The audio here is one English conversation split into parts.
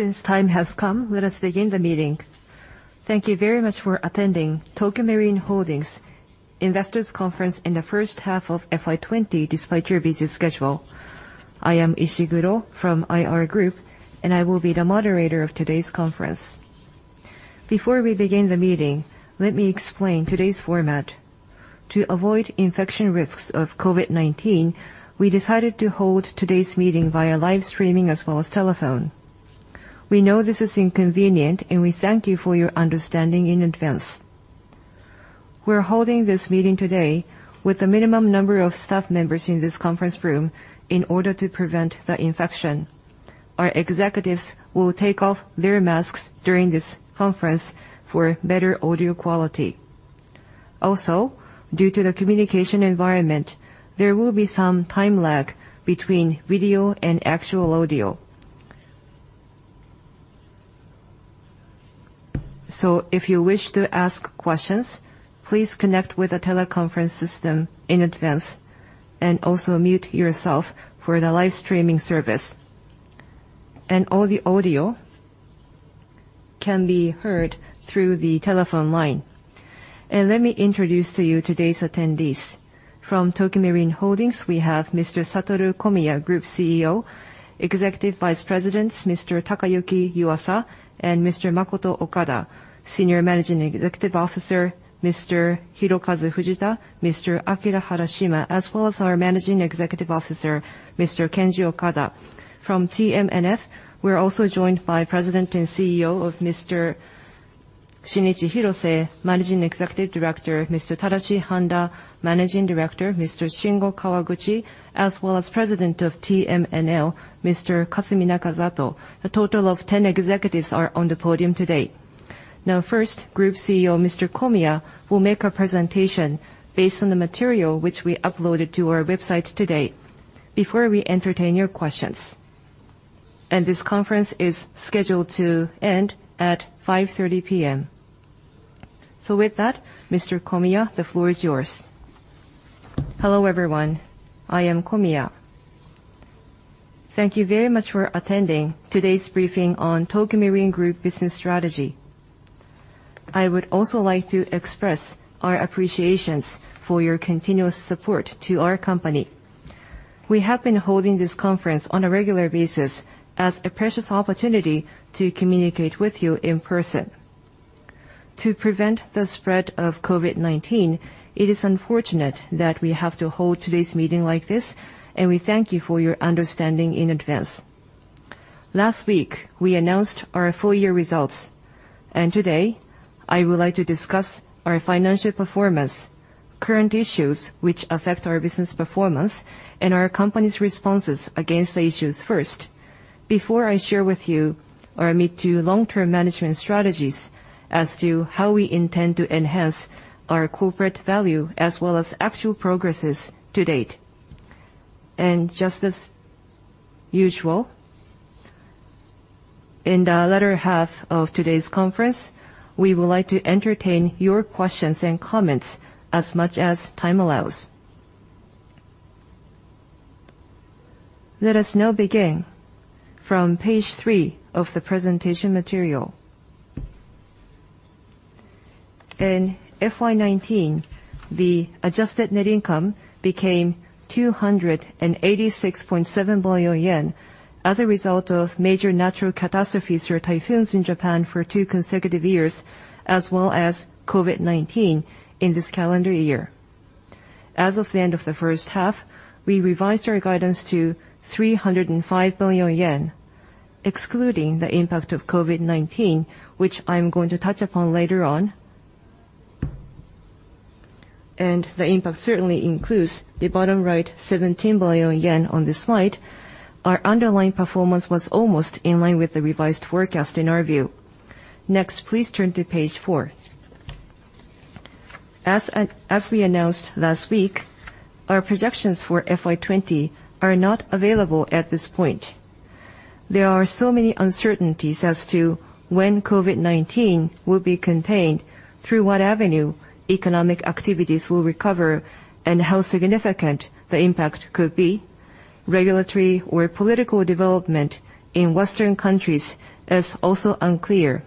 Since time has come, let us begin the meeting. Thank you very much for attending Tokio Marine Holdings Investors Conference in the first half of FY 2020, despite your busy schedule. I am Ishiguro from IR Group, and I will be the moderator of today's conference. Before we begin the meeting, let me explain today's format. To avoid infection risks of COVID-19, we decided to hold today's meeting via live streaming as well as telephone. We know this is inconvenient, and we thank you for your understanding in advance. We are holding this meeting today with a minimum number of staff members in this conference room in order to prevent the infection. Our executives will take off their masks during this conference for better audio quality. Due to the communication environment, there will be some time lag between video and actual audio. If you wish to ask questions, please connect with the teleconference system in advance, and also mute yourself for the live streaming service. All the audio can be heard through the telephone line. Let me introduce to you today's attendees. From Tokio Marine Holdings, we have Mr. Satoru Komiya, Group CEO. Executive Vice Presidents, Mr. Takayuki Yuasa and Mr. Makoto Okada. Senior Managing Executive Officer, Mr. Hirokazu Fujita, Mr. Akira Harashima, as well as our Managing Executive Officer, Mr. Kenji Okada. From TMNF, we are also joined by President and CEO of Mr. Shinichi Hirose, Managing Executive Director, Mr. Tadashi Handa, Managing Director, Mr. Shingo Kawaguchi, as well as President of TMNL, Mr. Katsumi Nakazato. A total of 10 executives are on the podium today. First, Group CEO, Mr. Komiya, will make a presentation based on the material which we uploaded to our website today before we entertain your questions. This conference is scheduled to end at 5:30 P.M. With that, Mr. Komiya, the floor is yours. Hello, everyone. I am Komiya. Thank you very much for attending today's briefing on Tokio Marine Group business strategy. I would also like to express our appreciations for your continuous support to our company. We have been holding this conference on a regular basis as a precious opportunity to communicate with you in person. To prevent the spread of COVID-19, it is unfortunate that we have to hold today's meeting like this, and we thank you for your understanding in advance. Last week, we announced our full year results. Today I would like to discuss our financial performance, current issues which affect our business performance, and our company's responses against the issues first. Before I share with you our mid to long-term management strategies as to how we intend to enhance our corporate value as well as actual progresses to date. Just as usual, in the latter half of today's conference, we would like to entertain your questions and comments as much as time allows. Let us now begin from page three of the presentation material. In FY 2019, the adjusted net income became 286.7 billion yen as a result of major natural catastrophes or typhoons in Japan for two consecutive years, as well as COVID-19 in this calendar year. As of the end of the first half, we revised our guidance to 305 billion yen, excluding the impact of COVID-19, which I am going to touch upon later on. The impact certainly includes the bottom right 17 billion yen on this slide. Our underlying performance was almost in line with the revised forecast in our view. Next, please turn to page four. As we announced last week, our projections for FY 2020 are not available at this point. There are so many uncertainties as to when COVID-19 will be contained, through what avenue economic activities will recover, and how significant the impact could be. Regulatory or political development in Western countries is also unclear.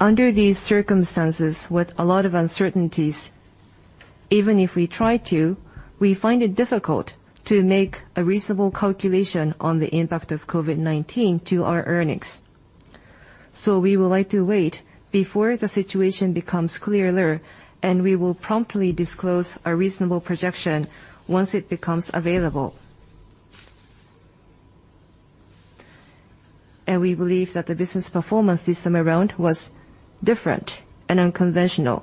Under these circumstances, with a lot of uncertainties, even if we try to, we find it difficult to make a reasonable calculation on the impact of COVID-19 to our earnings. We would like to wait before the situation becomes clearer, and we will promptly disclose a reasonable projection once it becomes available. We believe that the business performance this time around was different and unconventional.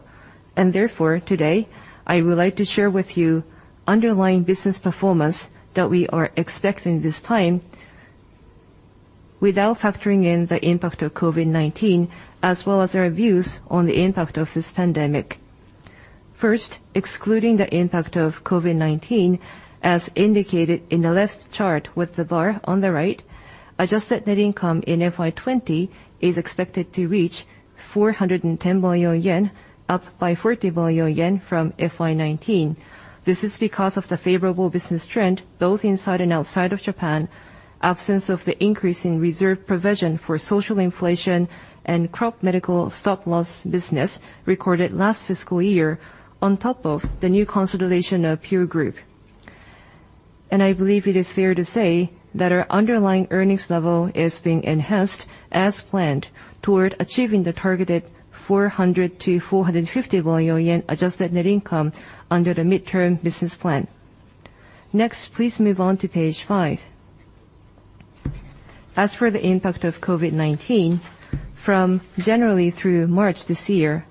Therefore, today I would like to share with you underlying business performance that we are expecting this time without factoring in the impact of COVID-19, as well as our views on the impact of this pandemic. First, excluding the impact of COVID-19, as indicated in the left chart with the bar on the right, adjusted net income in FY 2020 is expected to reach 410 billion yen, up by 40 billion yen from FY 2019. This is because of the favorable business trend both inside and outside of Japan, absence of the increase in reserve provision for social inflation, and crop medical stop loss business recorded last fiscal year, on top of the new consolidation of Pure Group. I believe it is fair to say that our underlying earnings level is being enhanced as planned toward achieving the targeted 400 billion-450 billion yen adjusted net income under the midterm business plan. Next, please move on to page five. As for the impact of COVID-19, from generally through March this year,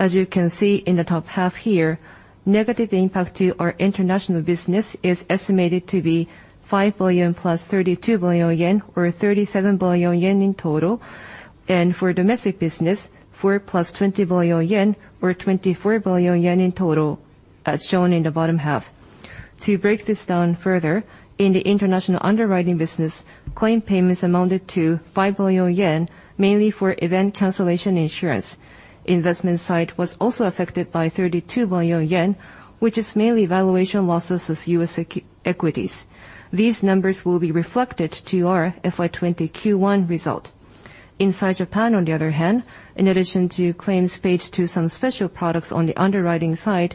as you can see in the top half here, negative impact to our international business is estimated to be 5 billion plus 32 billion yen, or 37 billion yen in total. For domestic business, 4 billion plus 20 billion yen, or 24 billion yen in total, as shown in the bottom half. To break this down further, in the international underwriting business, claim payments amounted to 5 billion yen, mainly for event cancellation insurance. Investment side was also affected by 32 billion yen, which is mainly valuation losses of U.S. equities. These numbers will be reflected to our FY 2020 Q1 result. Inside Japan, on the other hand, in addition to claims paid to some special products on the underwriting side,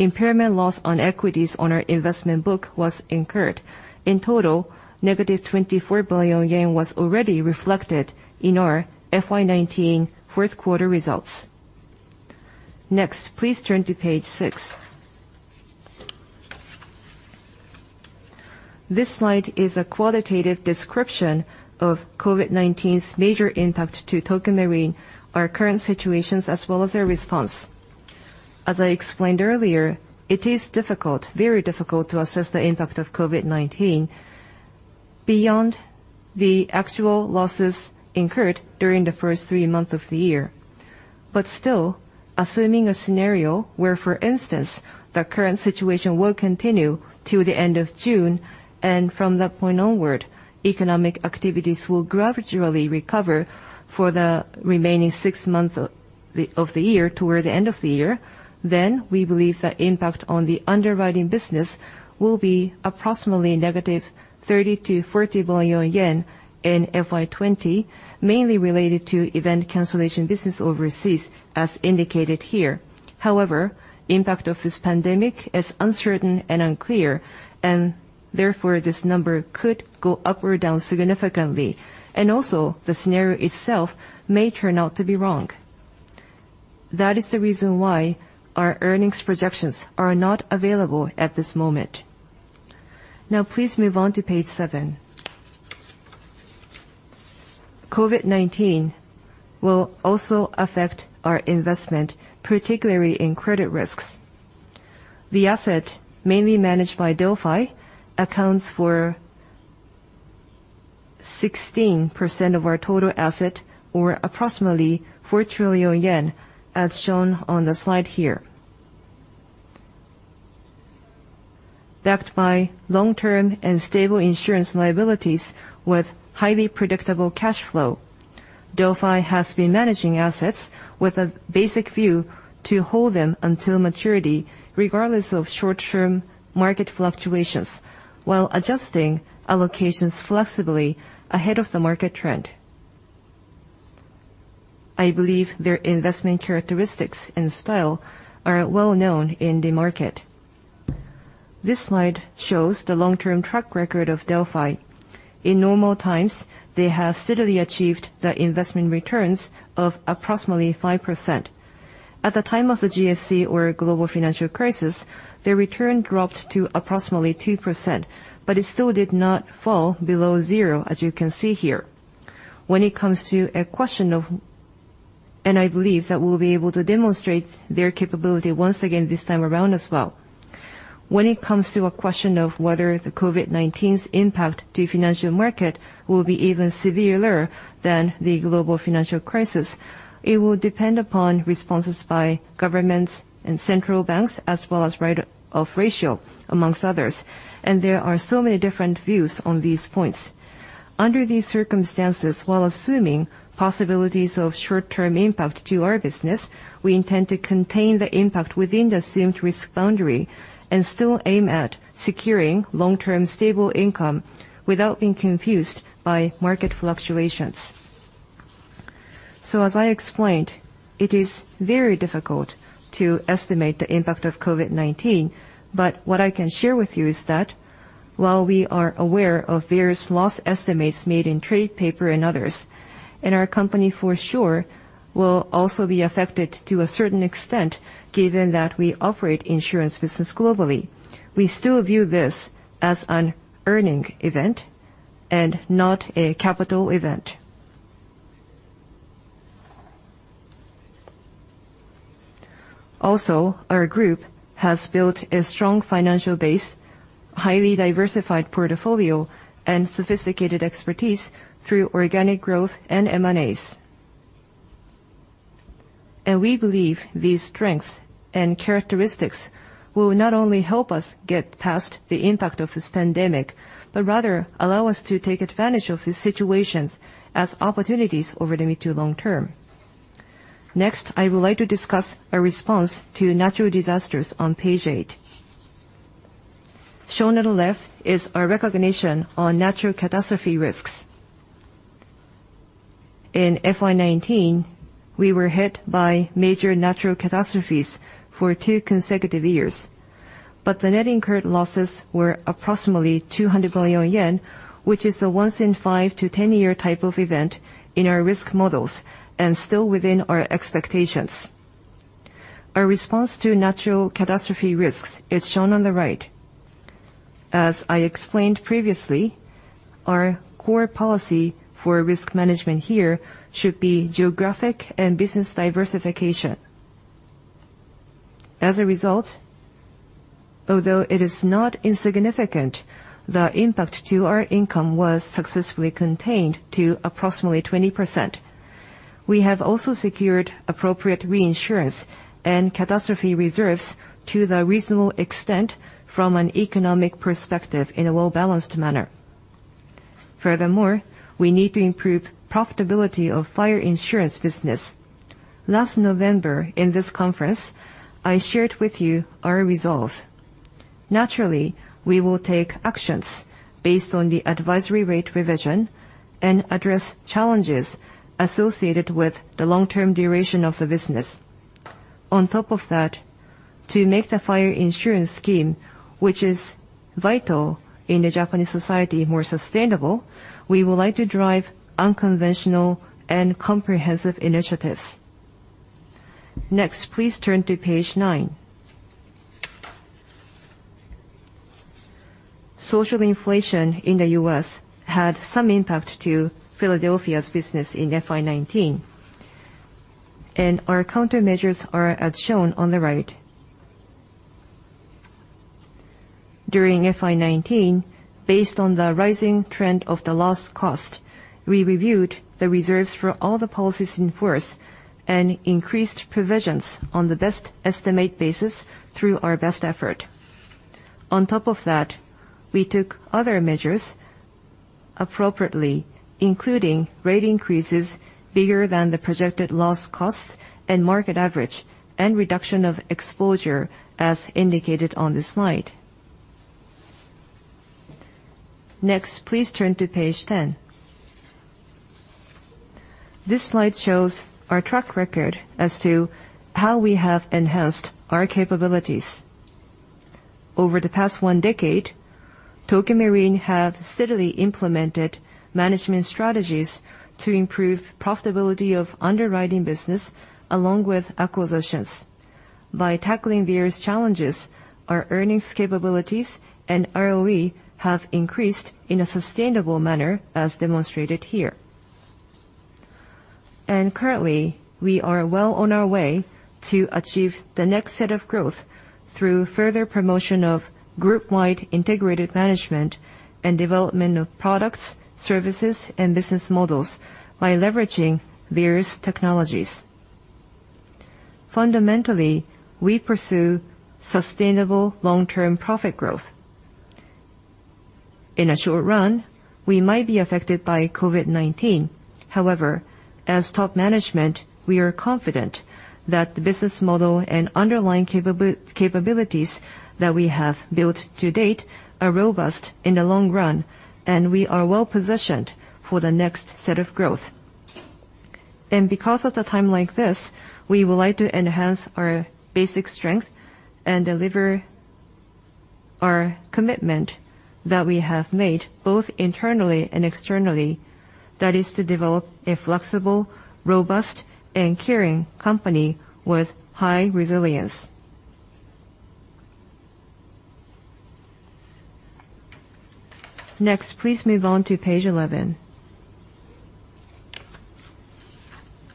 impairment loss on equities on our investment book was incurred. In total, negative 24 billion yen was already reflected in our FY 2019 fourth quarter results. Next, please turn to page six. This slide is a qualitative description of COVID-19's major impact to Tokio Marine, our current situations, as well as our response. As I explained earlier, it is difficult, very difficult, to assess the impact of COVID-19 beyond the actual losses incurred during the first three month of the year. Still, assuming a scenario where, for instance, the current situation will continue till the end of June, and from that point onward, economic activities will gradually recover for the remaining six months of the year toward the end of the year, then we believe the impact on the underwriting business will be approximately negative 30 billion-40 billion yen in FY 2020, mainly related to event cancellation business overseas, as indicated here. However, impact of this pandemic is uncertain and unclear, therefore, this number could go up or down significantly. Also, the scenario itself may turn out to be wrong. That is the reason why our earnings projections are not available at this moment. Please move on to page seven. COVID-19 will also affect our investment, particularly in credit risks. The asset mainly managed by Delphi accounts for 16% of our total asset, or approximately 4 trillion yen, as shown on the slide here. Backed by long-term and stable insurance liabilities with highly predictable cash flow, Delphi has been managing assets with a basic view to hold them until maturity, regardless of short-term market fluctuations, while adjusting allocations flexibly ahead of the market trend. I believe their investment characteristics and style are well-known in the market. This slide shows the long-term track record of Delphi. In normal times, they have steadily achieved the investment returns of approximately 5%. At the time of the GFC, or Global Financial Crisis, their return dropped to approximately 2%, but it still did not fall below zero, as you can see here. I believe that we'll be able to demonstrate their capability once again this time around as well. When it comes to a question of whether the COVID-19's impact to financial market will be even severer than the global financial crisis, it will depend upon responses by governments and central banks, as well as rate of inflation among others. There are so many different views on these points. Under these circumstances, while assuming possibilities of short-term impact to our business, we intend to contain the impact within the assumed risk boundary and still aim at securing long-term stable income without being confused by market fluctuations. As I explained, it is very difficult to estimate the impact of COVID-19, but what I can share with you is that while we are aware of various loss estimates made in trade paper and others, our company for sure will also be affected to a certain extent given that we operate insurance business globally. We still view this as an earning event and not a capital event. Our group has built a strong financial base, highly diversified portfolio, and sophisticated expertise through organic growth and M&As. We believe these strengths and characteristics will not only help us get past the impact of this pandemic, but rather allow us to take advantage of these situations as opportunities over the mid- to long-term. I would like to discuss our response to natural disasters on page eight. Shown at the left is our recognition on natural catastrophe risks. In FY 2019, we were hit by major natural catastrophes for two consecutive years, but the net incurred losses were approximately 200 billion yen, which is a once in five to 10 year type of event in our risk models, and still within our expectations. Our response to natural catastrophe risks is shown on the right. As I explained previously, our core policy for risk management here should be geographic and business diversification. As a result, although it is not insignificant, the impact to our income was successfully contained to approximately 20%. We have also secured appropriate reinsurance and catastrophe reserves to the reasonable extent from an economic perspective in a well-balanced manner. Furthermore, we need to improve profitability of fire insurance business. Last November, in this conference, I shared with you our resolve. We will take actions based on the advisory rate revision and address challenges associated with the long-term duration of the business. On top of that, to make the fire insurance scheme, which is vital in the Japanese society, more sustainable, we would like to drive unconventional and comprehensive initiatives. Next, please turn to page nine. Social inflation in the U.S. had some impact to Philadelphia's business in FY 2019, and our countermeasures are as shown on the right. During FY 2019, based on the rising trend of the loss cost, we reviewed the reserves for all the policies in force and increased provisions on the best estimate basis through our best effort. On top of that, we took other measures appropriately, including rate increases bigger than the projected loss costs and market average, and reduction of exposure as indicated on the slide. Next, please turn to page 10. This slide shows our track record as to how we have enhanced our capabilities. Over the past one decade, Tokio Marine have steadily implemented management strategies to improve profitability of underwriting business, along with acquisitions. By tackling various challenges, our earnings capabilities and ROE have increased in a sustainable manner as demonstrated here. Currently, we are well on our way to achieve the next set of growth through further promotion of group-wide integrated management and development of products, services, and business models by leveraging various technologies. Fundamentally, we pursue sustainable long-term profit growth. In a short run, we might be affected by COVID-19. As top management, we are confident that the business model and underlying capabilities that we have built to date are robust in the long run, and we are well-positioned for the next set of growth. Because at a time like this, we would like to enhance our basic strength and deliver our commitment that we have made, both internally and externally, that is to develop a flexible, robust, and caring company with high resilience. Next, please move on to page 11.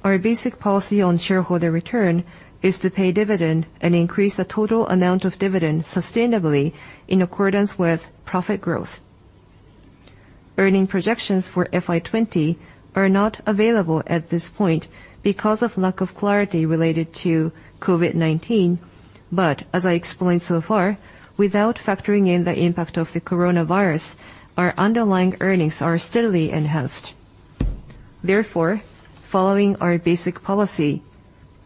Our basic policy on shareholder return is to pay dividend and increase the total amount of dividend sustainably in accordance with profit growth. Earning projections for FY 2020 are not available at this point because of lack of clarity related to COVID-19. As I explained so far, without factoring in the impact of the coronavirus, our underlying earnings are steadily enhanced. Following our basic policy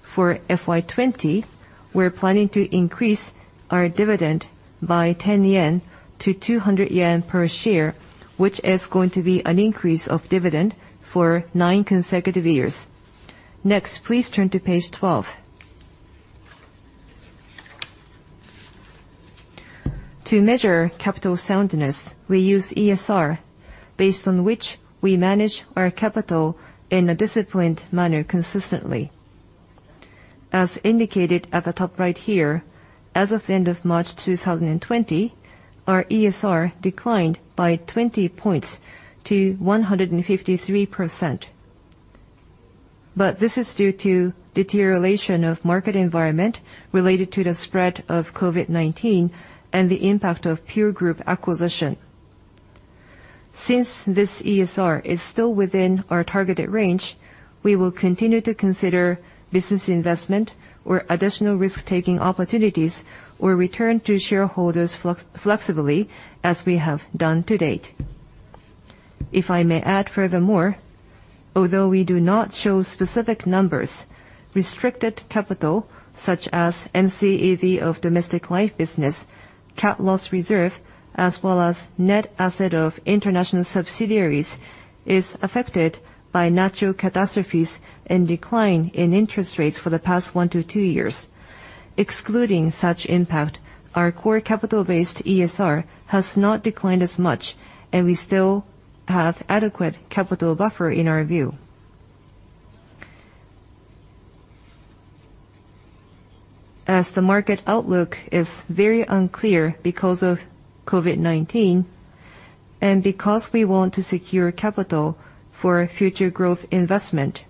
for FY 2020, we're planning to increase our dividend by 10 yen to 200 yen per share, which is going to be an increase of dividend for nine consecutive years. Next, please turn to page 12. To measure capital soundness, we use ESR, based on which we manage our capital in a disciplined manner consistently. As indicated at the top right here, as of the end of March 2020, our ESR declined by 20 points to 153%. This is due to deterioration of market environment related to the spread of COVID-19 and the impact of Pure Group acquisition. Since this ESR is still within our targeted range, we will continue to consider business investment or additional risk-taking opportunities or return to shareholders flexibly as we have done to date. If I may add furthermore, although we do not show specific numbers, restricted capital such as MCEV of domestic life business, cat loss reserve, as well as net asset of international subsidiaries is affected by natural catastrophes and decline in interest rates for the past one to two years. Excluding such impact, our core capital-based ESR has not declined as much, and we still have adequate capital buffer in our view. As the market outlook is very unclear because of COVID-19 and because we want to secure capital for future growth investment,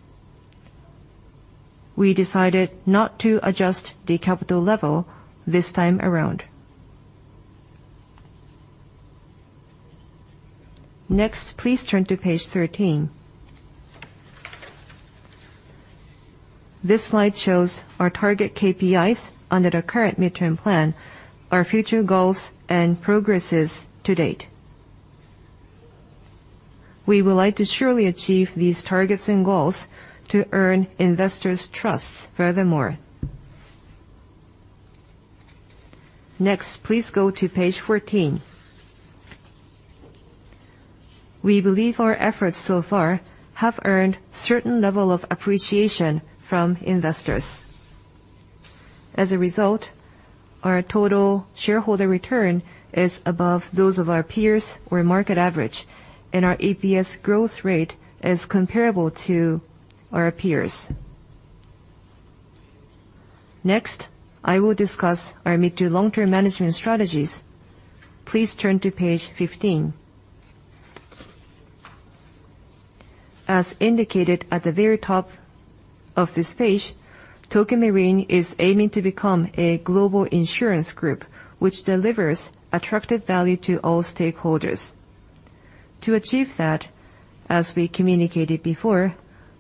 we decided not to adjust the capital level this time around. Next, please turn to page 13. This slide shows our target KPIs under the current midterm plan, our future goals and progresses to date. We would like to surely achieve these targets and goals to earn investors' trust furthermore. Next, please go to page 14. We believe our efforts so far have earned certain level of appreciation from investors. As a result, our total shareholder return is above those of our peers or market average, and our APS growth rate is comparable to our peers. Next, I will discuss our mid to long-term management strategies. Please turn to page 15. As indicated at the very top of this page, Tokio Marine is aiming to become a global insurance group which delivers attractive value to all stakeholders. To achieve that, as we communicated before,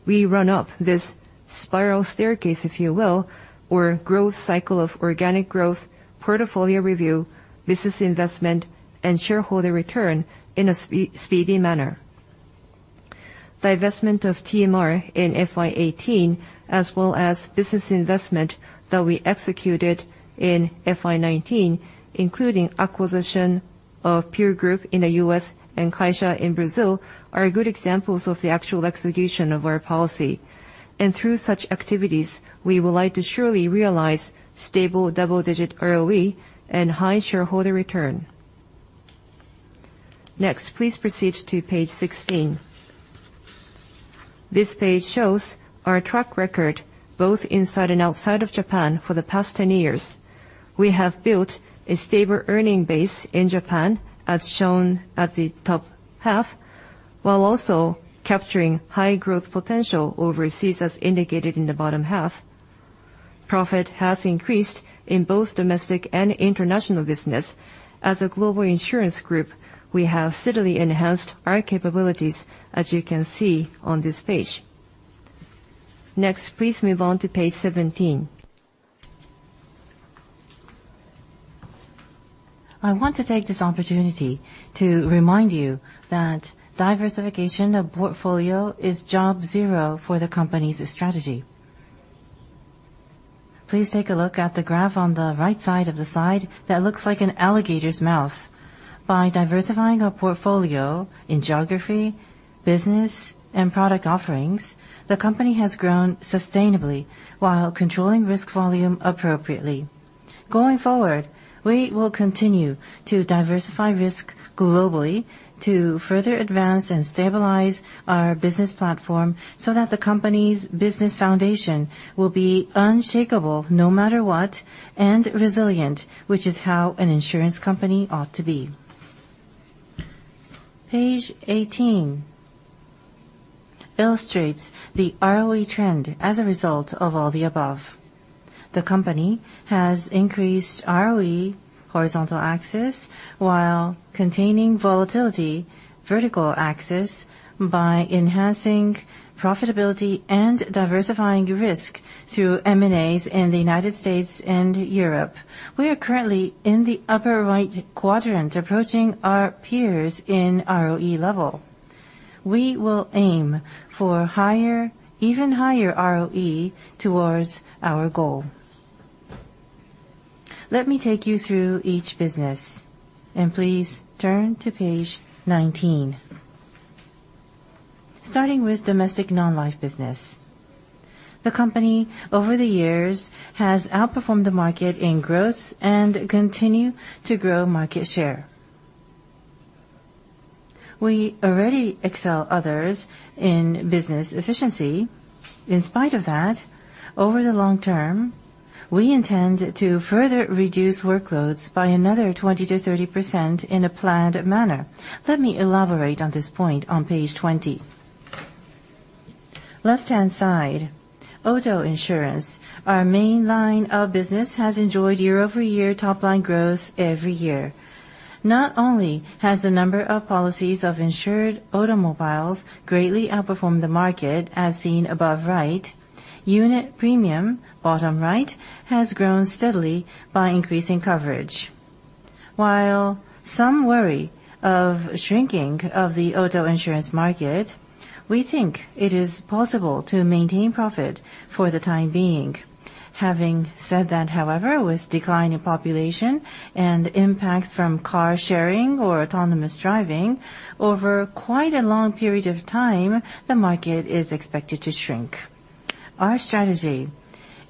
we run up this spiral staircase, if you will, or growth cycle of organic growth, portfolio review, business investment, and shareholder return in a speedy manner. The investment of TMR in FY 2018 as well as business investment that we executed in FY 2019, including acquisition of Pure Group in the U.S. and Caixa in Brazil, are good examples of the actual execution of our policy. Through such activities, we would like to surely realize stable double-digit ROE and high shareholder return. Next, please proceed to page 16. This page shows our track record both inside and outside of Japan for the past 10 years. We have built a stable earning base in Japan, as shown at the top half, while also capturing high growth potential overseas as indicated in the bottom half. Profit has increased in both domestic and international business. As a global insurance group, we have steadily enhanced our capabilities as you can see on this page. Next, please move on to page 17. I want to take this opportunity to remind you that diversification of portfolio is job zero for the company's strategy. Please take a look at the graph on the right side of the slide that looks like an alligator's mouth. By diversifying our portfolio in geography, business, and product offerings, the company has grown sustainably while controlling risk volume appropriately. Going forward, we will continue to diversify risk globally to further advance and stabilize our business platform so that the company's business foundation will be unshakable no matter what, and resilient, which is how an insurance company ought to be. Page 18 illustrates the ROE trend as a result of all the above. The company has increased ROE, horizontal axis, while containing volatility, vertical axis, by enhancing profitability and diversifying risk through M&As in the United States and Europe. We are currently in the upper right quadrant, approaching our peers in ROE level. We will aim for even higher ROE towards our goal. Let me take you through each business, and please turn to page 19. Starting with domestic non-life business. The company, over the years, has outperformed the market in growth and continue to grow market share. We already excel others in business efficiency. In spite of that, over the long term We intend to further reduce workloads by another 20%-30% in a planned manner. Let me elaborate on this point on page 20. Left-hand side, auto insurance, our main line of business, has enjoyed year-over-year top line growth every year. Not only has the number of policies of insured automobiles greatly outperformed the market, as seen above right, unit premium, bottom right, has grown steadily by increasing coverage. While some worry of shrinking of the auto insurance market, we think it is possible to maintain profit for the time being. Having said that, however, with decline in population and impacts from car sharing or autonomous driving, over quite a long period of time, the market is expected to shrink. Our strategy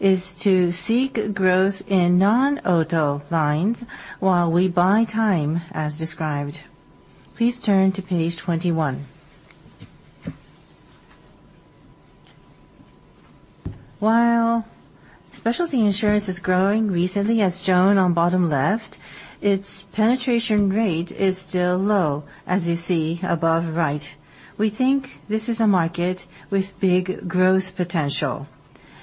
is to seek growth in non-auto lines while we buy time, as described. Please turn to page 21. While specialty insurance is growing, recently, as shown on bottom left, its penetration rate is still low, as you see above right. We think this is a market with big growth potential.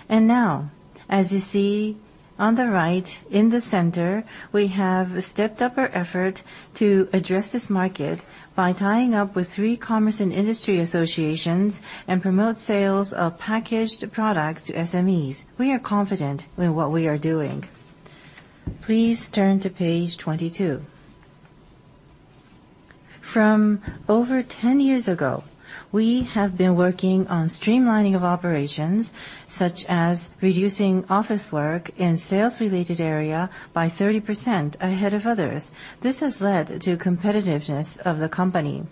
Now, as you see on the right, in the center, we have stepped up our effort to address this market by tying up with three commerce and industry associations and promote sales of packaged products to SMEs. We are confident in what we are doing. Please turn to page 22. From over 10 years ago, we have been working on streamlining of operations, such as reducing office work in sales-related area by 30%, ahead of others. This has led to competitiveness of the company.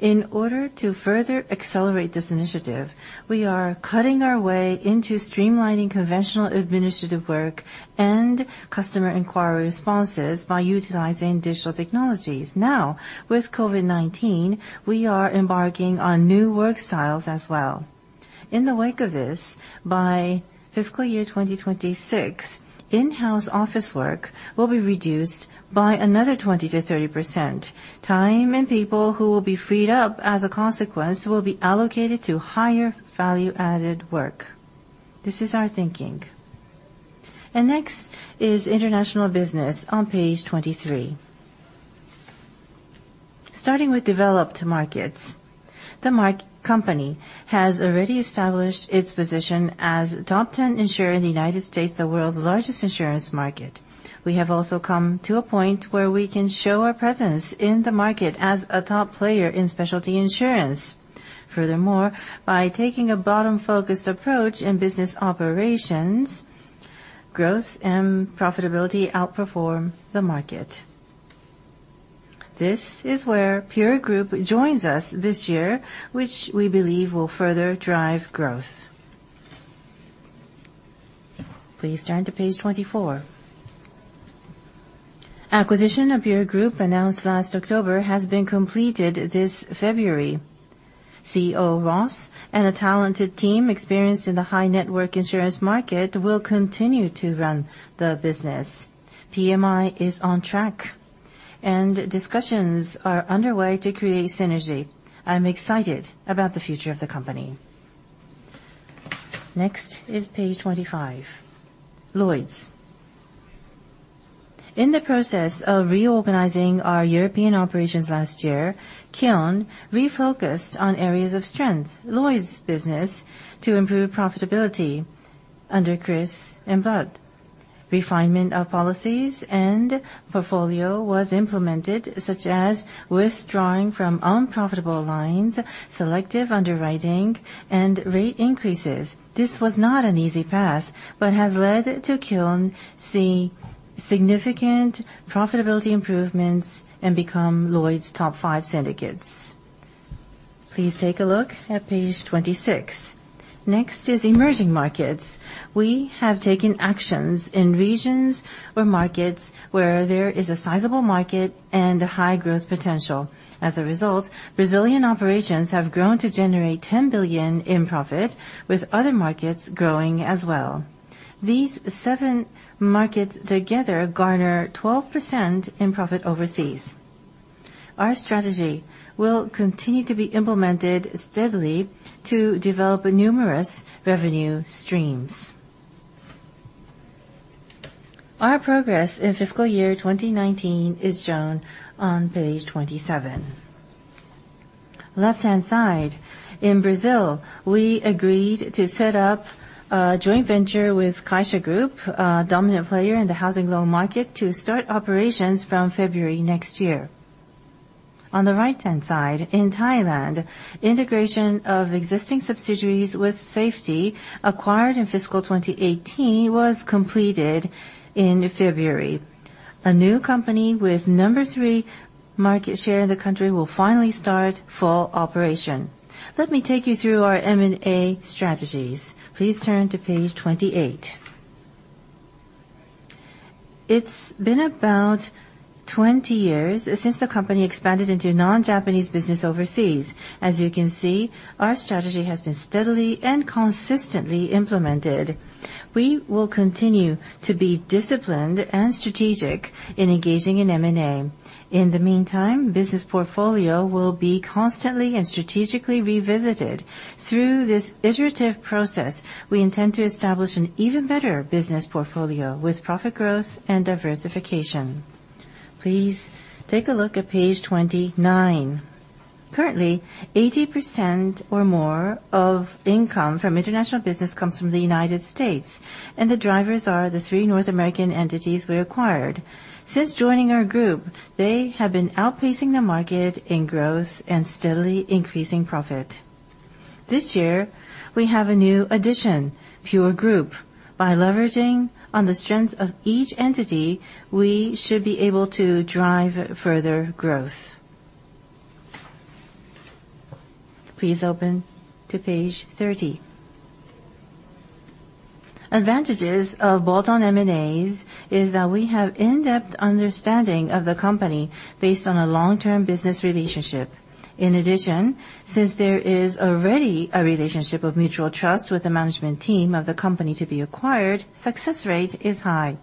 In order to further accelerate this initiative, we are cutting our way into streamlining conventional administrative work and customer inquiry responses by utilizing digital technologies. Now, with COVID-19, we are embarking on new work styles as well. In the wake of this, by fiscal year 2026, in-house office work will be reduced by another 20%-30%. Time and people who will be freed up as a consequence will be allocated to higher value-added work. This is our thinking. Next is international business on page 23. Starting with developed markets, the company has already established its position as top 10 insurer in the U.S., the world's largest insurance market. We have also come to a point where we can show our presence in the market as a top player in specialty insurance. Furthermore, by taking a bottom-focused approach in business operations, growth and profitability outperform the market. This is where Pure Group joins us this year, which we believe will further drive growth. Please turn to page 24. Acquisition of Pure Group announced last October has been completed this February. CEO Ross and a talented team experienced in the high net worth insurance market will continue to run the business. PMI is on track, and discussions are underway to create synergy. I'm excited about the future of the company. Next is page 25. Lloyd's. In the process of reorganizing our European operations last year, Kiln refocused on areas of strength, Lloyd's business, to improve profitability under Chris and Vlad. Refinement of policies and portfolio was implemented, such as withdrawing from unprofitable lines, selective underwriting, and rate increases. This was not an easy path, but has led to Kiln see significant profitability improvements and become Lloyd's top five syndicates. Please take a look at page 26. Next is emerging markets. We have taken actions in regions or markets where there is a sizable market and a high growth potential. As a result, Brazilian operations have grown to generate $10 billion in profit, with other markets growing as well. These seven markets together garner 12% in profit overseas. Our strategy will continue to be implemented steadily to develop numerous revenue streams. Our progress in fiscal year 2019 is shown on page 27. Left-hand side, in Brazil, we agreed to set up a joint venture with Caixa Econômica Federal, a dominant player in the housing loan market, to start operations from February next year. On the right-hand side, in Thailand, integration of existing subsidiaries with Safety, acquired in fiscal 2018, was completed in February. A new company with number 3 market share in the country will finally start full operation. Let me take you through our M&A strategies. Please turn to page 28. It's been about 20 years since the company expanded into non-Japanese business overseas. As you can see, our strategy has been steadily and consistently implemented. We will continue to be disciplined and strategic in engaging in M&A. In the meantime, business portfolio will be constantly and strategically revisited. Through this iterative process, we intend to establish an even better business portfolio with profit growth and diversification. Please take a look at page 29. Currently, 80% or more of income from international business comes from the U.S., and the drivers are the three North American entities we acquired. Since joining our group, they have been outpacing the market in growth and steadily increasing profit. This year, we have a new addition, Pure Group. By leveraging on the strength of each entity, we should be able to drive further growth. Please open to page 30. Advantages of bolt-on M&As is that we have in-depth understanding of the company based on a long-term business relationship. In addition, since there is already a relationship of mutual trust with the management team of the company to be acquired, success rate is high.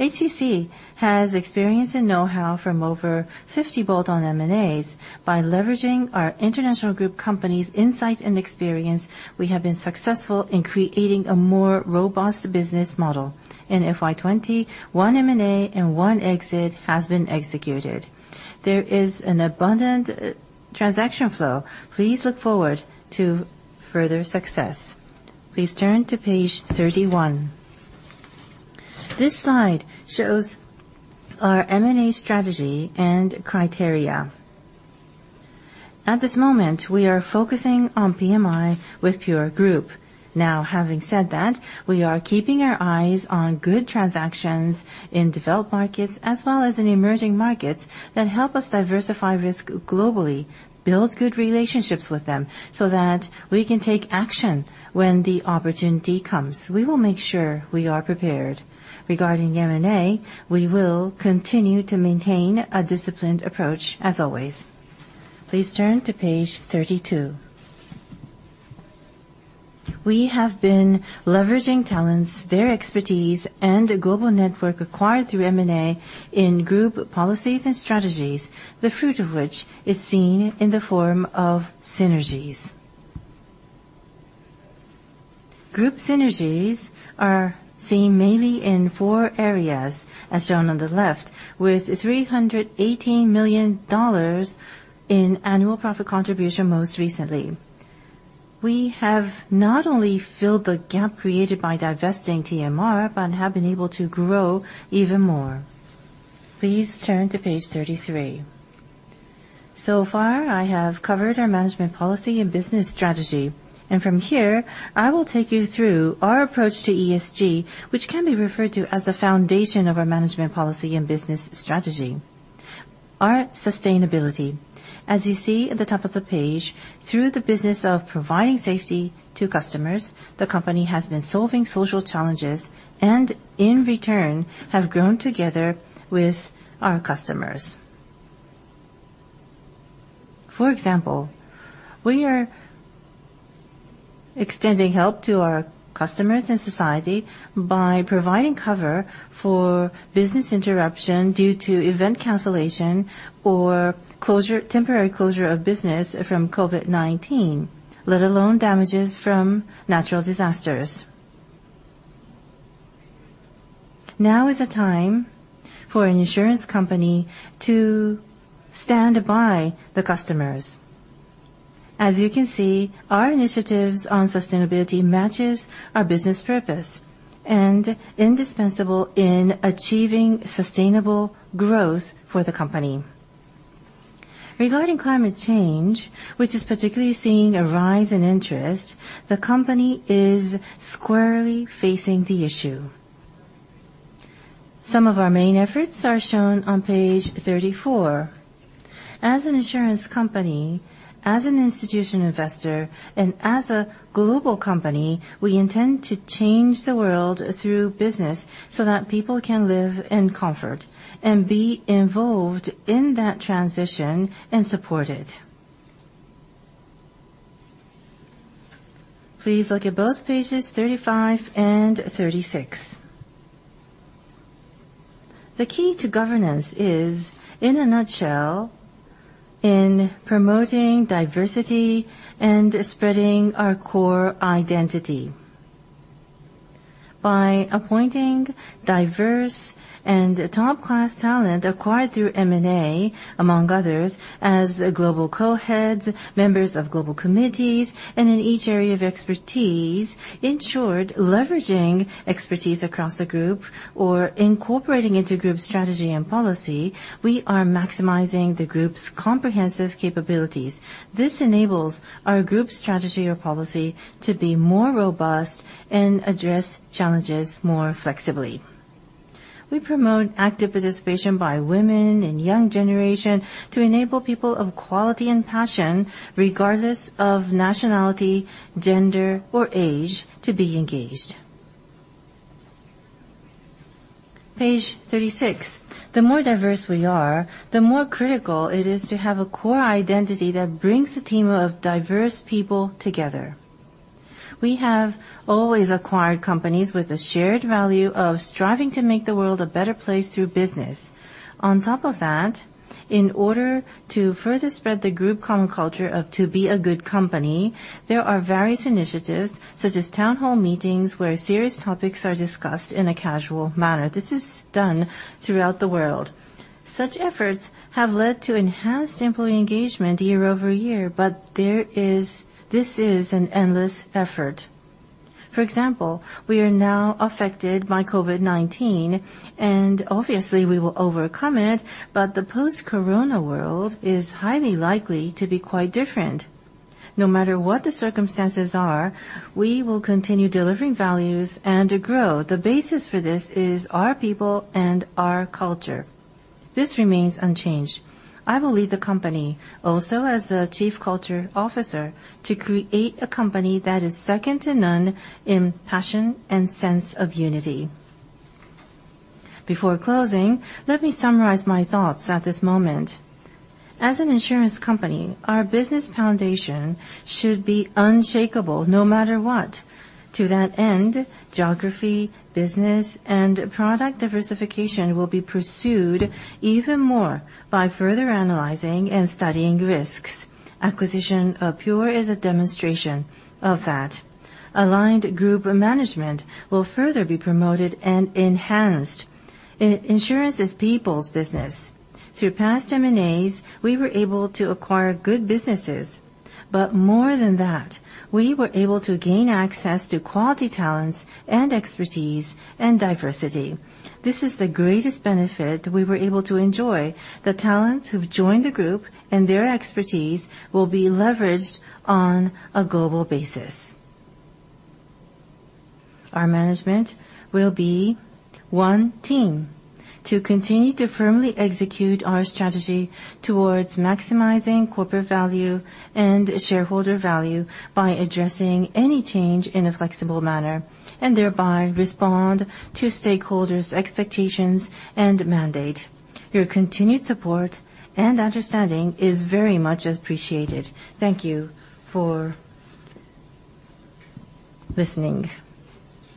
HCC has experience and know-how from over 50 bolt-on M&As. By leveraging our international group companies' insight and experience, we have been successful in creating a more robust business model. In FY 2020, one M&A and one exit has been executed. There is an abundant transaction flow. Please look forward to further success. Please turn to page 31. This slide shows our M&A strategy and criteria. At this moment, we are focusing on PMI with Pure Group. Having said that, we are keeping our eyes on good transactions in developed markets as well as in emerging markets that help us diversify risk globally, build good relationships with them, so that we can take action when the opportunity comes. We will make sure we are prepared. Regarding M&A, we will continue to maintain a disciplined approach as always. Please turn to page 32. We have been leveraging talents, their expertise, and the global network acquired through M&A in group policies and strategies, the fruit of which is seen in the form of synergies. Group synergies are seen mainly in four areas, as shown on the left, with $318 million in annual profit contribution most recently. We have not only filled the gap created by divesting TMR, but have been able to grow even more. Please turn to page 33. So far, I have covered our management policy and business strategy. From here, I will take you through our approach to ESG, which can be referred to as the foundation of our management policy and business strategy. Our sustainability. As you see at the top of the page, through the business of providing safety to customers, the company has been solving social challenges, and in return, have grown together with our customers. For example, we are extending help to our customers and society by providing cover for business interruption due to event cancellation or temporary closure of business from COVID-19, let alone damages from natural disasters. Now is the time for an insurance company to stand by the customers. As you can see, our initiatives on sustainability matches our business purpose, and indispensable in achieving sustainable growth for the company. Regarding climate change, which is particularly seeing a rise in interest, the company is squarely facing the issue. Some of our main efforts are shown on page 34. As an insurance company, as an institutional investor, and as a global company, we intend to change the world through business so that people can live in comfort and be involved in that transition and supported. Please look at both pages 35 and 36. The key to governance is, in a nutshell, in promoting diversity and spreading our core identity. By appointing diverse and top-class talent acquired through M&A, among others, as global co-heads, members of global committees, and in each area of expertise, ensured leveraging expertise across the group or incorporating into group strategy and policy, we are maximizing the group's comprehensive capabilities. This enables our group strategy or policy to be more robust and address challenges more flexibly. We promote active participation by women and young generation to enable people of quality and passion, regardless of nationality, gender, or age, to be engaged. Page 36. The more diverse we are, the more critical it is to have a core identity that brings a team of diverse people together. We have always acquired companies with a shared value of striving to make the world a better place through business. On top of that, in order to further spread the group common culture of to be a good company, there are various initiatives such as town hall meetings, where serious topics are discussed in a casual manner. This is done throughout the world. Such efforts have led to enhanced employee engagement year-over-year, but this is an endless effort. For example, we are now affected by COVID-19, and obviously we will overcome it, but the post-corona world is highly likely to be quite different. No matter what the circumstances are, we will continue delivering values and to grow. The basis for this is our people and our culture. This remains unchanged. I will lead the company also as the chief culture officer to create a company that is second to none in passion and sense of unity. Before closing, let me summarize my thoughts at this moment. As an insurance company, our business foundation should be unshakable no matter what. To that end, geography, business, and product diversification will be pursued even more by further analyzing and studying risks. Acquisition of Pure is a demonstration of that. Aligned group management will further be promoted and enhanced. Insurance is people's business. Through past M&As, we were able to acquire good businesses. More than that, we were able to gain access to quality talents and expertise, and diversity. This is the greatest benefit we were able to enjoy. The talents who've joined the group and their expertise will be leveraged on a global basis. Our management will be one team to continue to firmly execute our strategy towards maximizing corporate value and shareholder value by addressing any change in a flexible manner, and thereby respond to stakeholders' expectations and mandate. Your continued support and understanding is very much appreciated. Thank you for listening.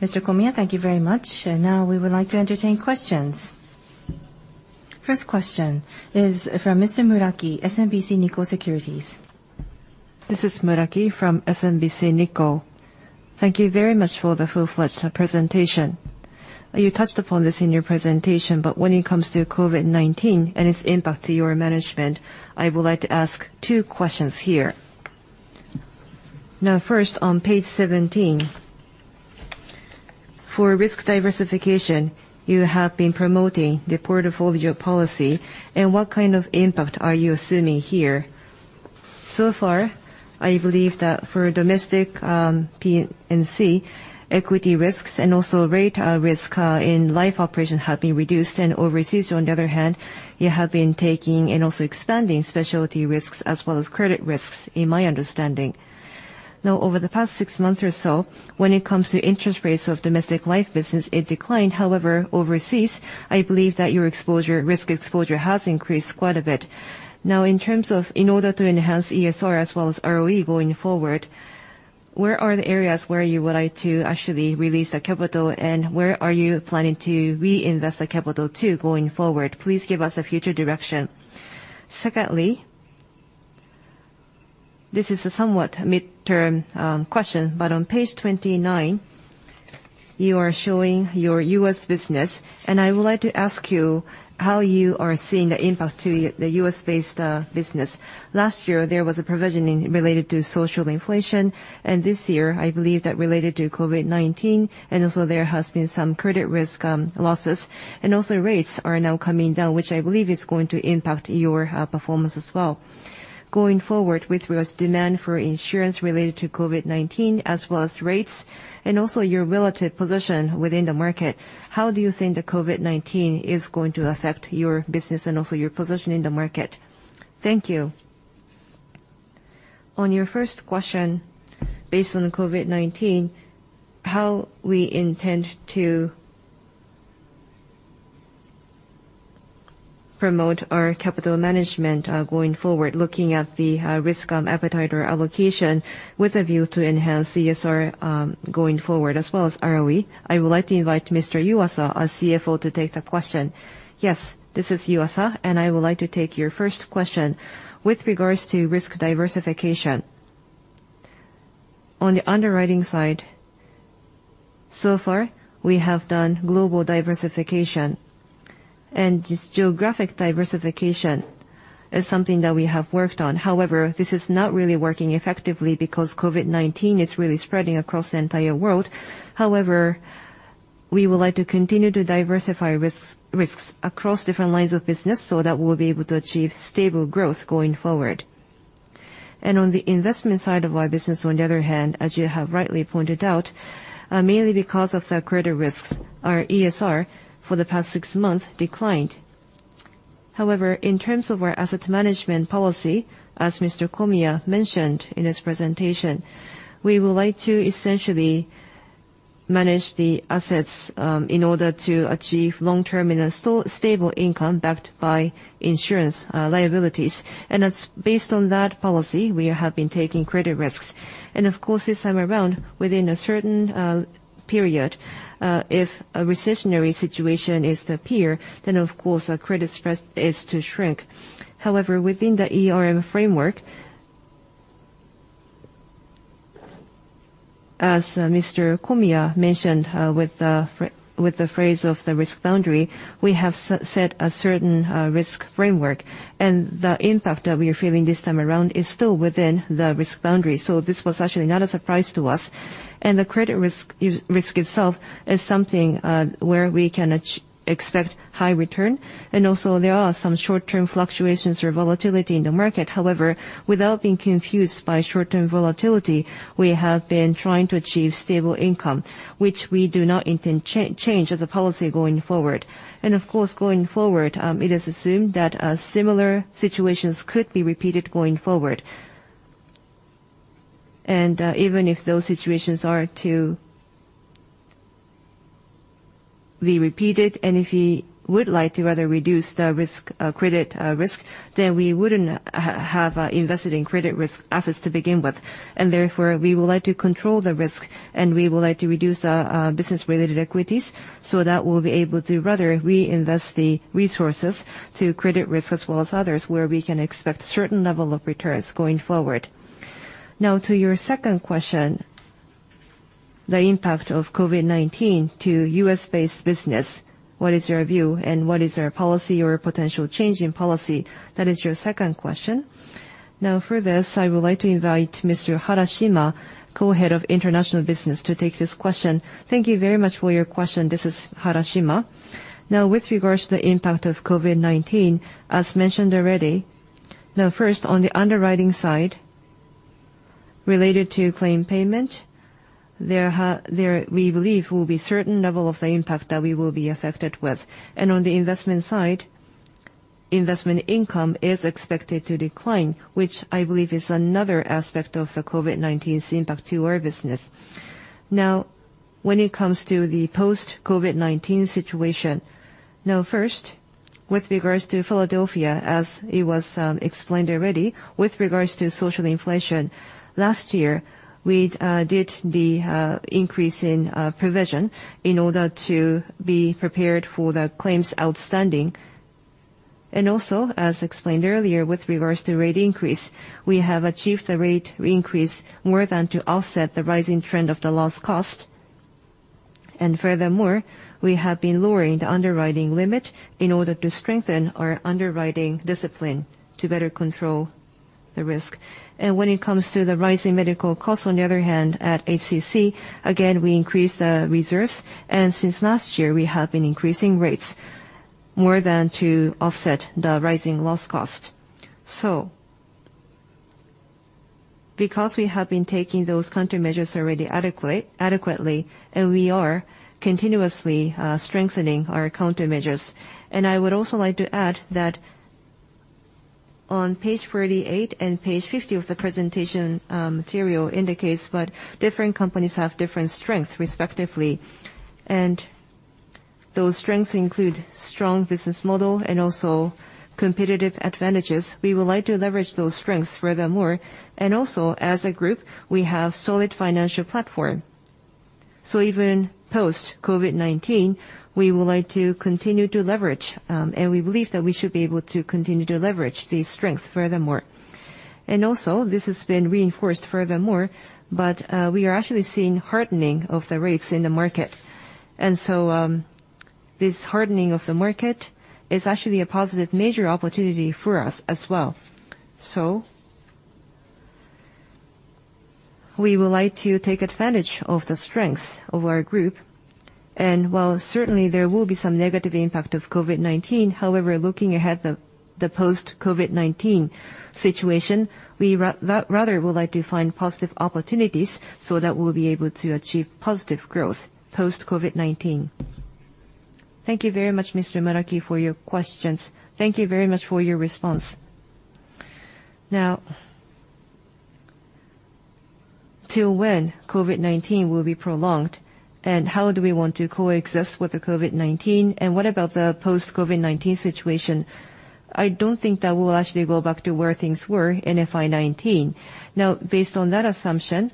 Mr. Komiya, thank you very much. Now, we would like to entertain questions. First question is from Mr. Muraki, SMBC Nikko Securities. This is Muraki from SMBC Nikko. Thank you very much for the full-fledged presentation. You touched upon this in your presentation, but when it comes to COVID-19 and its impact to your management, I would like to ask two questions here. First, on page 17, for risk diversification, you have been promoting the portfolio policy, and what kind of impact are you assuming here? So far, I believe that for domestic P&C, equity risks and also rate risk in life operation have been reduced. Overseas, on the other hand, you have been taking and also expanding specialty risks as well as credit risks, in my understanding. Over the past six months or so, when it comes to interest rates of domestic life business, it declined. However, overseas, I believe that your risk exposure has increased quite a bit. In order to enhance ESR as well as ROE going forward, where are the areas where you would like to actually release the capital, and where are you planning to reinvest the capital to going forward? Please give us a future direction. Secondly, this is a somewhat midterm question, but on page 29, you are showing your U.S. business, and I would like to ask you how you are seeing the impact to the U.S.-based business. Last year, there was a provisioning related to social inflation, and this year, I believe that related to COVID-19, and also there has been some credit risk losses. Rates are now coming down, which I believe is going to impact your performance as well. Going forward with regards demand for insurance related to COVID-19 as well as rates, and also your relative position within the market, how do you think the COVID-19 is going to affect your business and also your position in the market? Thank you. On your first question, based on COVID-19, how we intend to promote our capital management going forward, looking at the risk appetite or allocation with a view to enhance ESR going forward as well as ROE. I would like to invite Mr. Yuasa, our CFO, to take the question. This is Yuasa, I would like to take your first question. With regards to risk diversification, on the underwriting side, so far we have done global diversification. This geographic diversification is something that we have worked on. This is not really working effectively because COVID-19 is really spreading across the entire world. We would like to continue to diversify risks across different lines of business so that we'll be able to achieve stable growth going forward. On the investment side of our business, on the other hand, as you have rightly pointed out, mainly because of the credit risks, our ESR for the past six months declined. However, in terms of our asset management policy, as Mr. Komiya mentioned in his presentation, we would like to essentially manage the assets in order to achieve long-term and a stable income backed by insurance liabilities. It's based on that policy, we have been taking credit risks. Of course, this time around, within a certain period, if a recessionary situation is to appear, then of course, our credit stress is to shrink. However, within the ERM framework, as Mr. Komiya mentioned with the phrase of the risk boundary, we have set a certain risk framework. The impact that we are feeling this time around is still within the risk boundary. This was actually not a surprise to us. The credit risk itself is something where we can expect high return, and also there are some short-term fluctuations or volatility in the market. However, without being confused by short-term volatility, we have been trying to achieve stable income, which we do not intend to change as a policy going forward. Of course, going forward, it is assumed that similar situations could be repeated going forward. Even if those situations are to be repeated, and if we would like to rather reduce the credit risk, then we wouldn't have invested in credit risk assets to begin with. Therefore, we would like to control the risk, and we would like to reduce the business-related equities so that we'll be able to rather reinvest the resources to credit risk as well as others, where we can expect certain level of returns going forward. To your second question, the impact of COVID-19 to U.S.-based business, what is your view and what is our policy or potential change in policy? That is your second question. For this, I would like to invite Mr. Harashima, Co-Head of International Business, to take this question. Thank you very much for your question. This is Harashima. With regards to the impact of COVID-19, as mentioned already, first, on the underwriting side, related to claim payment, we believe will be certain level of the impact that we will be affected with. On the investment side, investment income is expected to decline, which I believe is another aspect of the COVID-19's impact to our business. When it comes to the post-COVID-19 situation, first, with regards to Philadelphia, as it was explained already, with regards to social inflation, last year, we did the increase in provision in order to be prepared for the claims outstanding. Also, as explained earlier, with regards to rate increase, we have achieved the rate increase more than to offset the rising trend of the loss cost. Furthermore, we have been lowering the underwriting limit in order to strengthen our underwriting discipline to better control the risk. When it comes to the rising medical cost, on the other hand, at HCC, again, we increased the reserves. Since last year, we have been increasing rates more than to offset the rising loss cost. Because we have been taking those countermeasures already adequately, and we are continuously strengthening our countermeasures. I would also like to add that on page 48 and page 50 of the presentation material indicates that different companies have different strengths respectively, and those strengths include strong business model and also competitive advantages. We would like to leverage those strengths furthermore. Also, as a group, we have solid financial platform. Even post-COVID-19, we would like to continue to leverage, and we believe that we should be able to continue to leverage the strength furthermore. This has been reinforced furthermore, but we are actually seeing hardening of the rates in the market. This hardening of the market is actually a positive major opportunity for us as well. We would like to take advantage of the strengths of our group. While certainly there will be some negative impact of COVID-19, however, looking ahead the post-COVID-19 situation, we rather would like to find positive opportunities so that we'll be able to achieve positive growth post-COVID-19. Thank you very much, Mr. Muraki, for your questions. Thank you very much for your response. Till when COVID-19 will be prolonged, and how do we want to coexist with the COVID-19, and what about the post-COVID-19 situation? I don't think that we'll actually go back to where things were in FY 2019. Based on that assumption,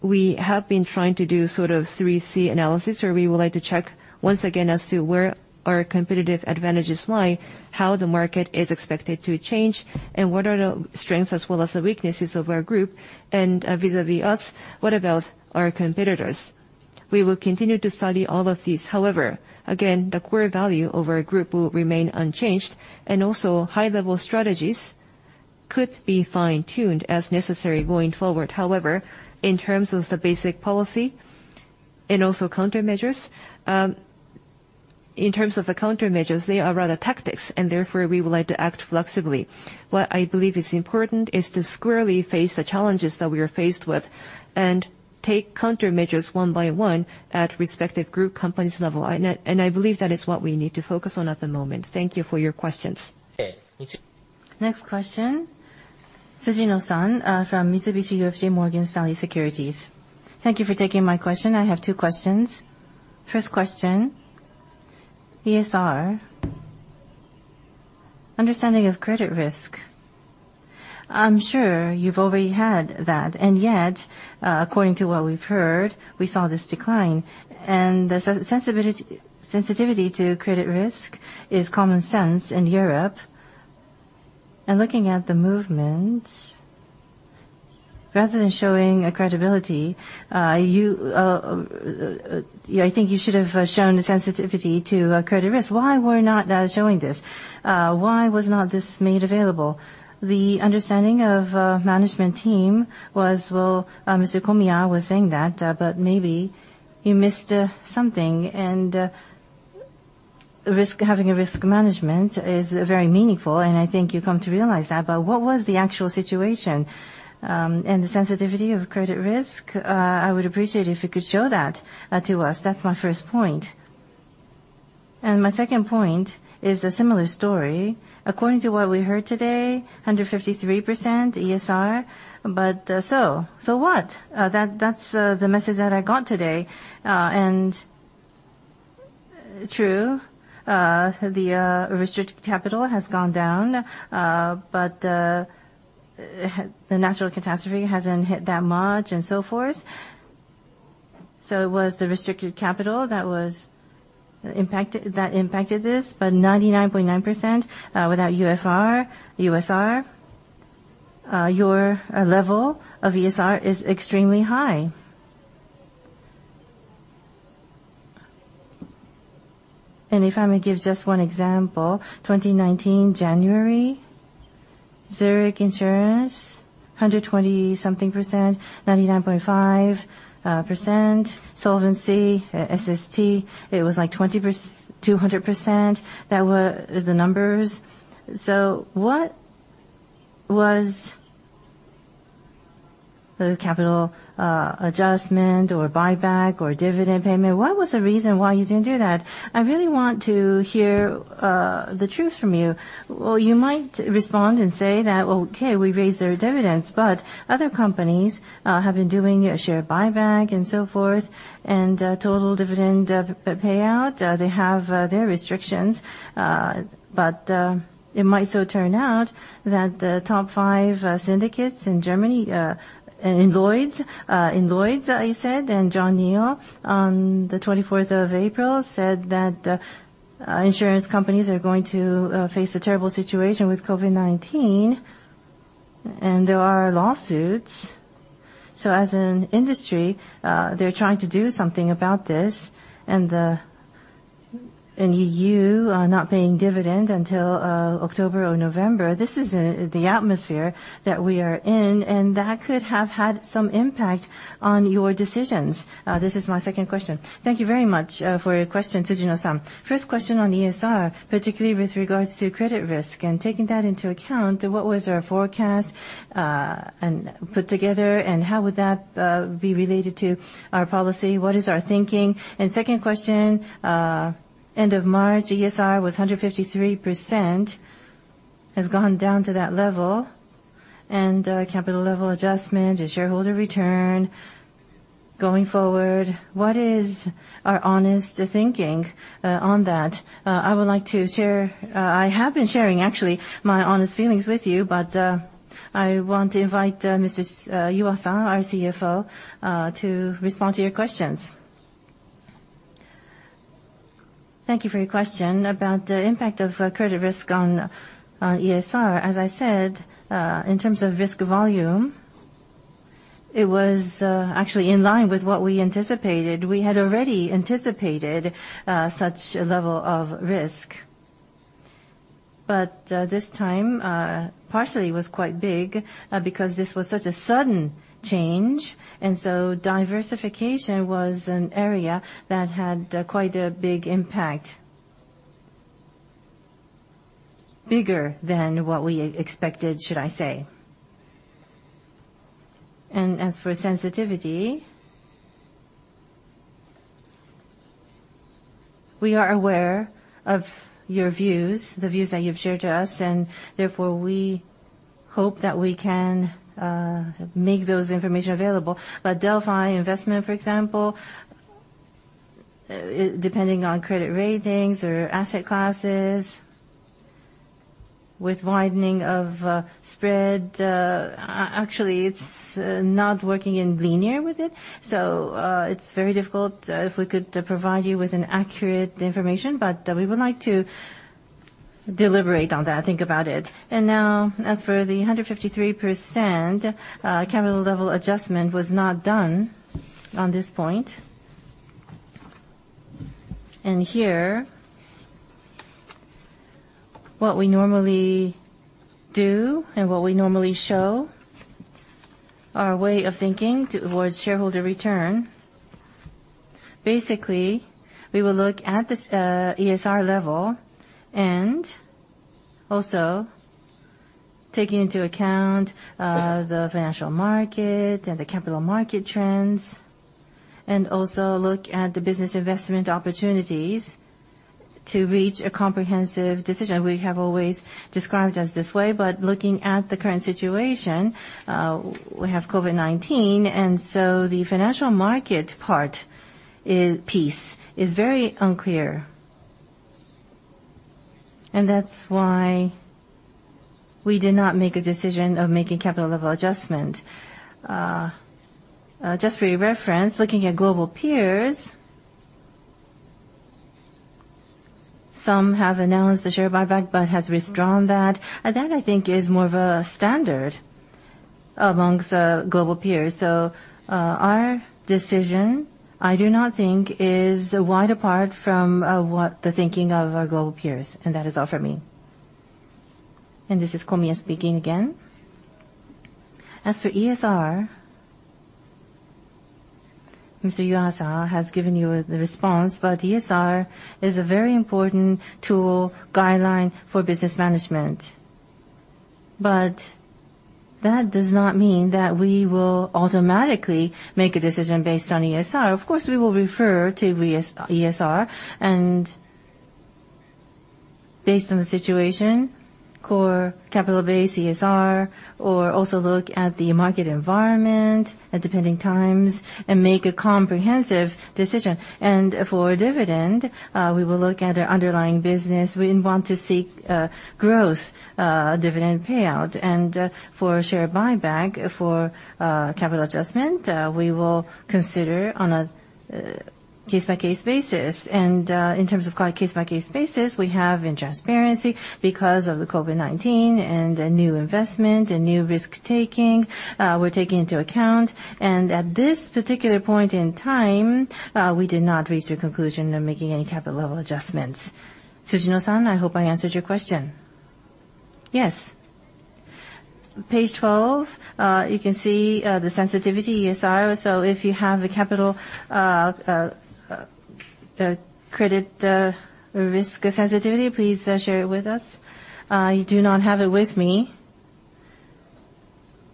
we have been trying to do sort of 3C analysis, where we would like to check once again as to where our competitive advantages lie, how the market is expected to change, and what are the strengths as well as the weaknesses of our group. Vis-à-vis us, what about our competitors? We will continue to study all of these. Again, the core value of our group will remain unchanged, high-level strategies could be fine-tuned as necessary going forward. In terms of the basic policy and countermeasures, in terms of the countermeasures, they are rather tactics, we would like to act flexibly. What I believe is important is to squarely face the challenges that we are faced with and take countermeasures one by one at respective group companies level. I believe that is what we need to focus on at the moment. Thank you for your questions. Next question. Tsujino-san from Mitsubishi UFJ Morgan Stanley Securities. Thank you for taking my question. I have two questions. First question, ESR. Understanding of credit risk. I'm sure you've already had that, yet, according to what we've heard, we saw this decline. The sensitivity to credit risk is common sense in Europe. Looking at the movement, rather than showing credibility, I think you should have shown sensitivity to credit risk. Why we're not showing this? Why was not this made available? The understanding of management team was, Mr. Komiya was saying that, but maybe you missed something. Having a risk management is very meaningful, and I think you've come to realize that. What was the actual situation? The sensitivity of credit risk, I would appreciate if you could show that to us. That's my first point. My second point is a similar story. According to what we heard today, 153% ESR, so what? That's the message that I got today. True, the restricted capital has gone down, the natural catastrophe hasn't hit that much and so forth. It was the restricted capital that impacted this. 99.9% without UFR, USR, your level of ESR is extremely high. If I may give just one example, 2019, January, Zurich Insurance, 120 something %, 99.5% solvency, SST, it was like 200%. That was the numbers. What was the capital adjustment or buyback or dividend payment? What was the reason why you didn't do that? I really want to hear the truth from you. You might respond and say that, "Okay, we raised our dividends," other companies have been doing a share buyback and so forth, and total dividend payout, they have their restrictions. It might so turn out that the top five syndicates in Germany, in Lloyd's I said, John Neal on the 24th of April said that insurance companies are going to face a terrible situation with COVID-19, and there are lawsuits. As an industry, they're trying to do something about this, you are not paying dividend until October or November. This is the atmosphere that we are in, that could have had some impact on your decisions. This is my second question. Thank you very much for your question, Tsujino-san. First question on ESR, particularly with regards to credit risk and taking that into account, what was our forecast put together, how would that be related to our policy? What is our thinking? Second question, end of March, ESR was 153%, has gone down to that level. Capital level adjustment and shareholder return going forward, what is our honest thinking on that? I have been sharing, actually, my honest feelings with you, I want to invite Mr. Iwao-san, our CFO, to respond to your questions. Thank you for your question about the impact of credit risk on ESR. As I said, in terms of risk volume, it was actually in line with what we anticipated. We had already anticipated such a level of risk. This time, partially was quite big because this was such a sudden change. Diversification was an area that had quite a big impact. Bigger than what we expected, should I say. As for sensitivity, we are aware of your views, the views that you've shared to us, we hope that we can make those information available. Delphi investment, for example, depending on credit ratings or asset classes, with widening of spread, actually it's not working in linear with it. It's very difficult if we could provide you with an accurate information, we would like to deliberate on that, think about it. Now as for the 153%, capital level adjustment was not done on this point. Here, what we normally do and what we normally show, our way of thinking towards shareholder return. We will look at this ESR level and also taking into account the financial market and the capital market trends, and also look at the business investment opportunities to reach a comprehensive decision. We have always described it this way, looking at the current situation, we have COVID-19, so the financial market part piece is very unclear. That's why we did not make a decision of making capital level adjustment. Just for your reference, looking at global peers, some have announced the share buyback, have withdrawn that. That I think is more of a standard amongst global peers. Our decision, I do not think is wide apart from what the thinking of our global peers. That is all from me. This is Komiya speaking again. As for ESR, Mr. Yuasa has given you the response, ESR is a very important tool guideline for business management. That does not mean that we will automatically make a decision based on ESR. Of course, we will refer to ESR and based on the situation, core capital base ESR, or also look at the market environment at depending times and make a comprehensive decision. For dividend, we will look at our underlying business. We want to seek growth, dividend payout. For share buyback, for capital adjustment, we will consider on a case-by-case basis. In terms of current case-by-case basis, we have in transparency because of the COVID-19 and new investment and new risk-taking, we're taking into account. At this particular point in time, we did not reach a conclusion on making any capital level adjustments. Tsujino-san, I hope I answered your question. Yes. Page 12, you can see the sensitivity ESR. If you have a capital credit risk sensitivity, please share it with us. I do not have it with me,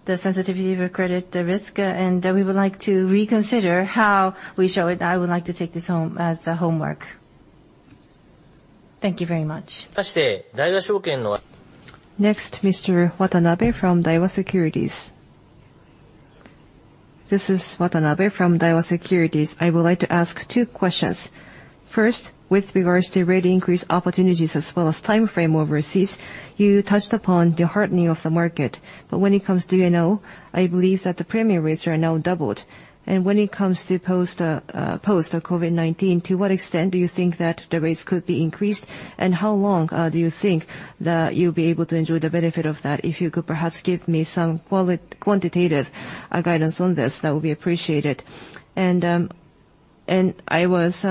the sensitivity of credit risk, we would like to reconsider how we show it. I would like to take this home as homework. Thank you very much. Next, Mr. Watanabe from Daiwa Securities. This is Watanabe from Daiwa Securities. I would like to ask two questions. First, with regards to rate increase opportunities as well as time frame overseas, you touched upon the hardening of the market. When it comes to D&O, I believe that the premium rates are now doubled. When it comes to post-COVID-19, to what extent do you think that the rates could be increased, how long do you think that you'll be able to enjoy the benefit of that? If you could perhaps give me some quantitative guidance on this, that would be appreciated. I was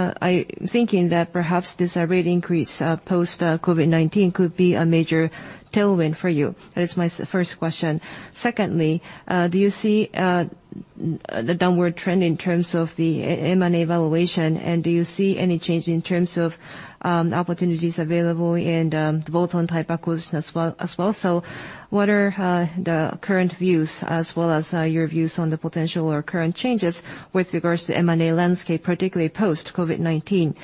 thinking that perhaps this rate increase post-COVID-19 could be a major tailwind for you. That is my first question. Secondly, do you see the downward trend in terms of the M&A valuation, and do you see any change in terms of opportunities available in both on type acquisition as well? What are the current views as well as your views on the potential or current changes with regards to M&A landscape, particularly post-COVID-19?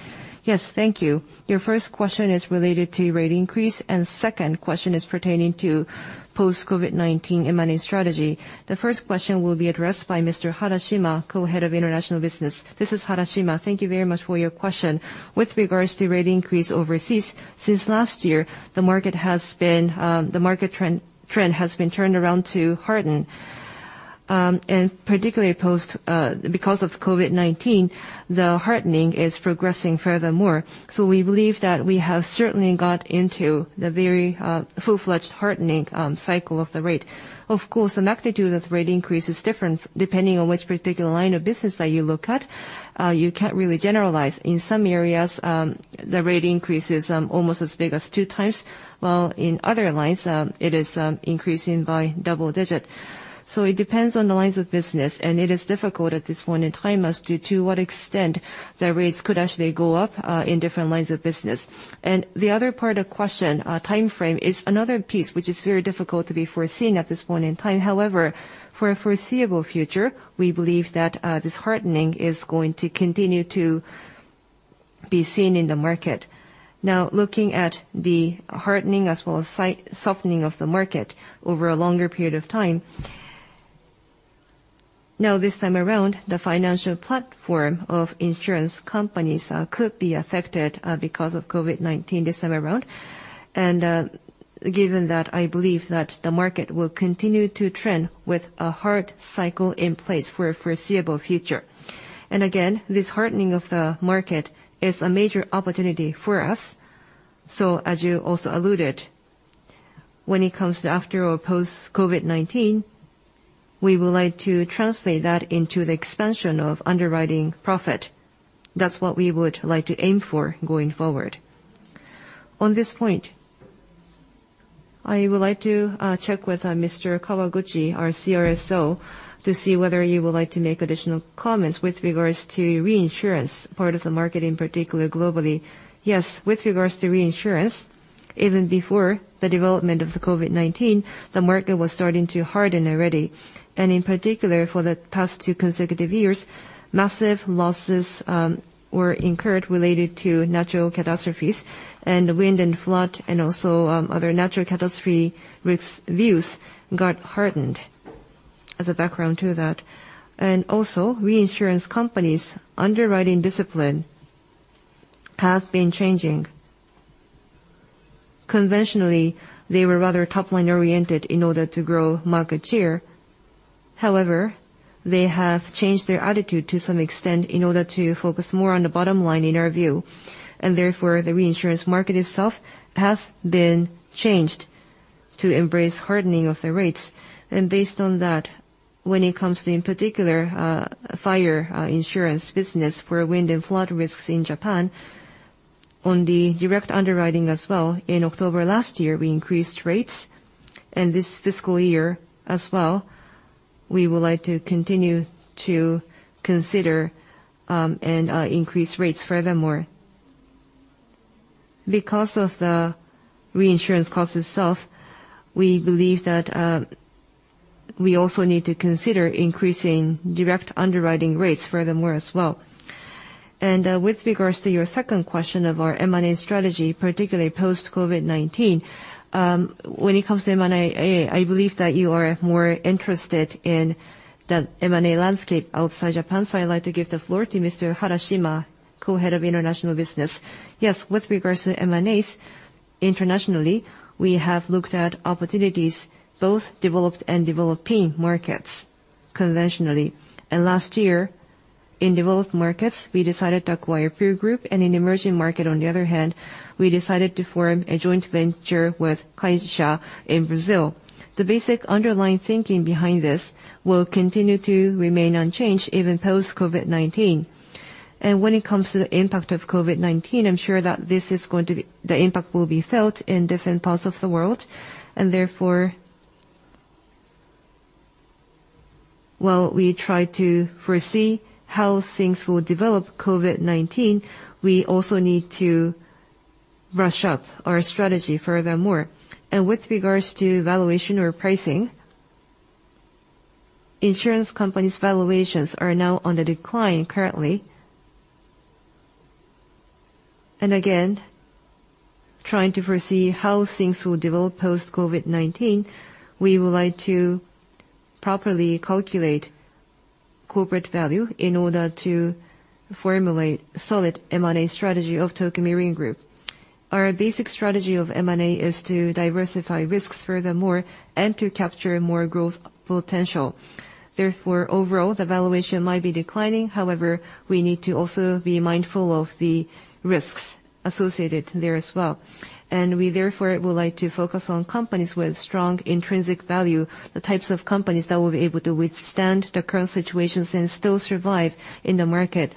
Yes. Thank you. Your first question is related to rate increase, and second question is pertaining to post-COVID-19 M&A strategy. The first question will be addressed by Mr. Harashima, Co-Head of International Business. This is Harashima. Thank you very much for your question. With regards to rate increase overseas, since last year, the market trend has been turned around to harden. Particularly because of COVID-19, the hardening is progressing furthermore. We believe that we have certainly got into the very full-fledged hardening cycle of the rate. Of course, the magnitude of the rate increase is different depending on which particular line of business that you look at. You can't really generalize. In some areas, the rate increase is almost as big as two times, while in other lines, it is increasing by double digit. It depends on the lines of business, and it is difficult at this point in time as to what extent the rates could actually go up in different lines of business. The other part of question, time frame, is another piece which is very difficult to be foreseen at this point in time. However, for a foreseeable future, we believe that this hardening is going to continue to be seen in the market. Now, looking at the hardening as well as softening of the market over a longer period of time. Now this time around, the financial platform of insurance companies could be affected because of COVID-19 this time around, given that I believe that the market will continue to trend with a hard cycle in place for a foreseeable future. Again, this hardening of the market is a major opportunity for us. As you also alluded, when it comes to after or post-COVID-19, we would like to translate that into the expansion of underwriting profit. That's what we would like to aim for going forward. On this point, I would like to check with Mr. Kawaguchi, our CRO, to see whether you would like to make additional comments with regards to reinsurance part of the market in particular globally. Yes. With regards to reinsurance, even before the development of the COVID-19, the market was starting to harden already. In particular, for the past two consecutive years, massive losses were incurred related to natural catastrophes, and wind and flood, and also other natural catastrophe risk views got hardened as a background to that. Reinsurance companies' underwriting discipline have been changing. Conventionally, they were rather top-line oriented in order to grow market share. However, they have changed their attitude to some extent in order to focus more on the bottom line, in our view. Therefore, the reinsurance market itself has been changed to embrace hardening of the rates. Based on that, when it comes to, in particular, fire insurance business for wind and flood risks in Japan, on the direct underwriting as well, in October last year, we increased rates. This fiscal year as well, we would like to continue to consider and increase rates furthermore. Because of the reinsurance cost itself, we believe that we also need to consider increasing direct underwriting rates furthermore as well. With regards to your second question of our M&A strategy, particularly post-COVID-19, when it comes to M&A, I believe that you are more interested in the M&A landscape outside Japan, so I'd like to give the floor to Mr. Harashima, Co-Head of International Business. Yes. With regards to M&As, internationally, we have looked at opportunities, both developed and developing markets, conventionally. Last year, in developed markets, we decided to acquire PURE Group. In emerging market, on the other hand, we decided to form a joint venture with Caixa in Brazil. The basic underlying thinking behind this will continue to remain unchanged, even post-COVID-19. When it comes to the impact of COVID-19, I'm sure that the impact will be felt in different parts of the world. Therefore, while we try to foresee how things will develop COVID-19, we also need to brush up our strategy furthermore. With regards to valuation or pricing, insurance companies' valuations are now on the decline currently. Again, trying to foresee how things will develop post-COVID-19, we would like to properly calculate corporate value in order to formulate solid M&A strategy of Tokio Marine Group. Our basic strategy of M&A is to diversify risks furthermore and to capture more growth potential. Therefore, overall, the valuation might be declining. However, we need to also be mindful of the risks associated there as well. We therefore would like to focus on companies with strong intrinsic value, the types of companies that will be able to withstand the current situations and still survive in the market.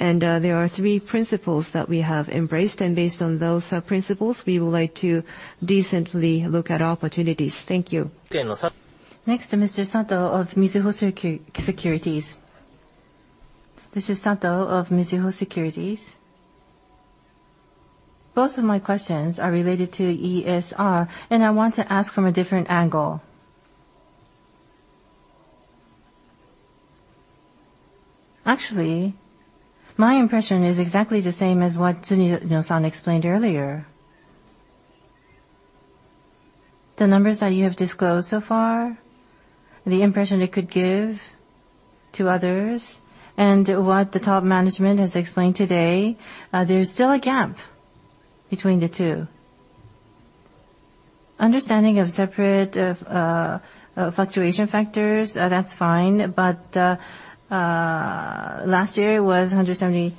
There are three principles that we have embraced, and based on those principles, we would like to decently look at opportunities. Thank you. Next, to Mr. Sato of Mizuho Securities. This is Sato of Mizuho Securities. Both of my questions are related to ESR. I want to ask from a different angle. Actually, my impression is exactly the same as what Tsuneo-san explained earlier. The numbers that you have disclosed so far, the impression it could give to others, and what the top management has explained today, there's still a gap between the two. Understanding of separate fluctuation factors, that's fine. Last year was 197%,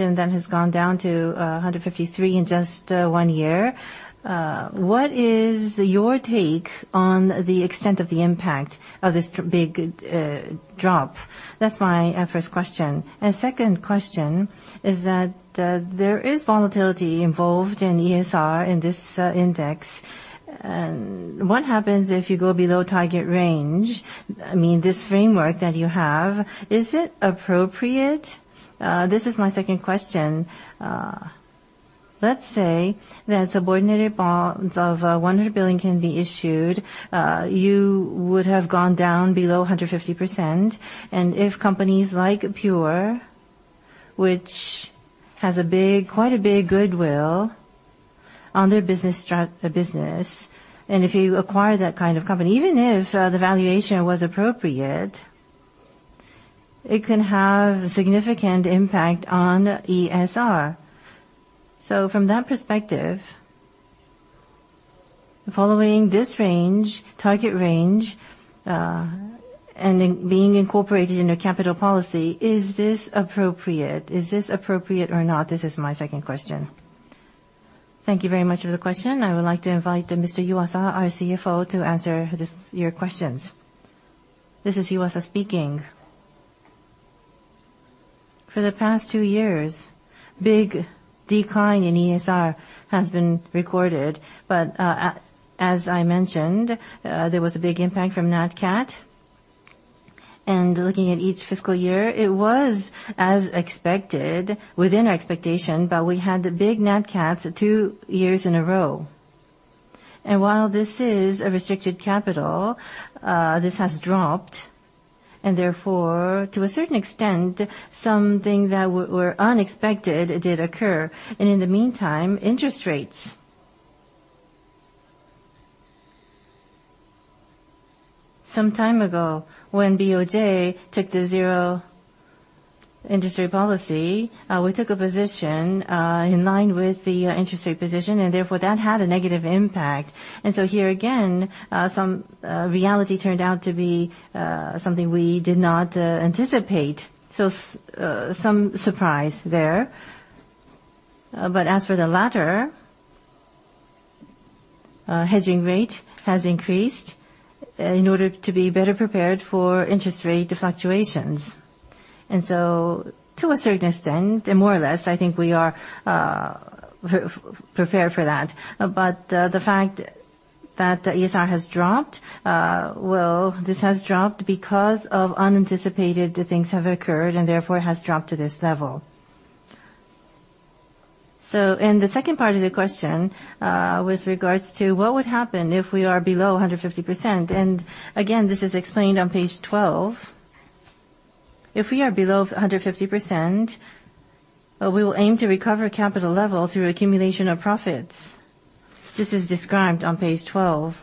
and that has gone down to 153 in just one year. What is your take on the extent of the impact of this big drop? That's my first question. Second question is that there is volatility involved in ESR, in this index. What happens if you go below target range? I mean, this framework that you have, is it appropriate? This is my second question. Let's say that subordinated bonds of 100 billion can be issued. You would have gone down below 150%. If companies like Pure, which has quite a big goodwill on their business, and if you acquire that kind of company, even if the valuation was appropriate, it can have significant impact on ESR. From that perspective, following this target range and it being incorporated in your capital policy, is this appropriate? Is this appropriate or not? This is my second question. Thank you very much for the question. I would like to invite Mr. Yuasa, our CFO, to answer your questions. This is Yuasa speaking. For the past two years, big decline in ESR has been recorded. As I mentioned, there was a big impact from nat cat. Looking at each fiscal year, it was as expected within our expectation, but we had big nat cats two years in a row. While this is a restricted capital, this has dropped, and therefore, to a certain extent, something that were unexpected did occur. In the meantime, interest rates. Some time ago, when BOJ took the zero-interest rate policy, we took a position in line with the interest rate position, and therefore, that had a negative impact. Here again, some reality turned out to be something we did not anticipate. Some surprise there. As for the latter, hedging rate has increased in order to be better prepared for interest rate fluctuations. To a certain extent, more or less, I think we are prepared for that. The fact that ESR has dropped, well, this has dropped because unanticipated things have occurred, and therefore, has dropped to this level. In the second part of the question, with regards to what would happen if we are below 150%. Again, this is explained on page 12. If we are below 150%, we will aim to recover capital level through accumulation of profits. This is described on page 12.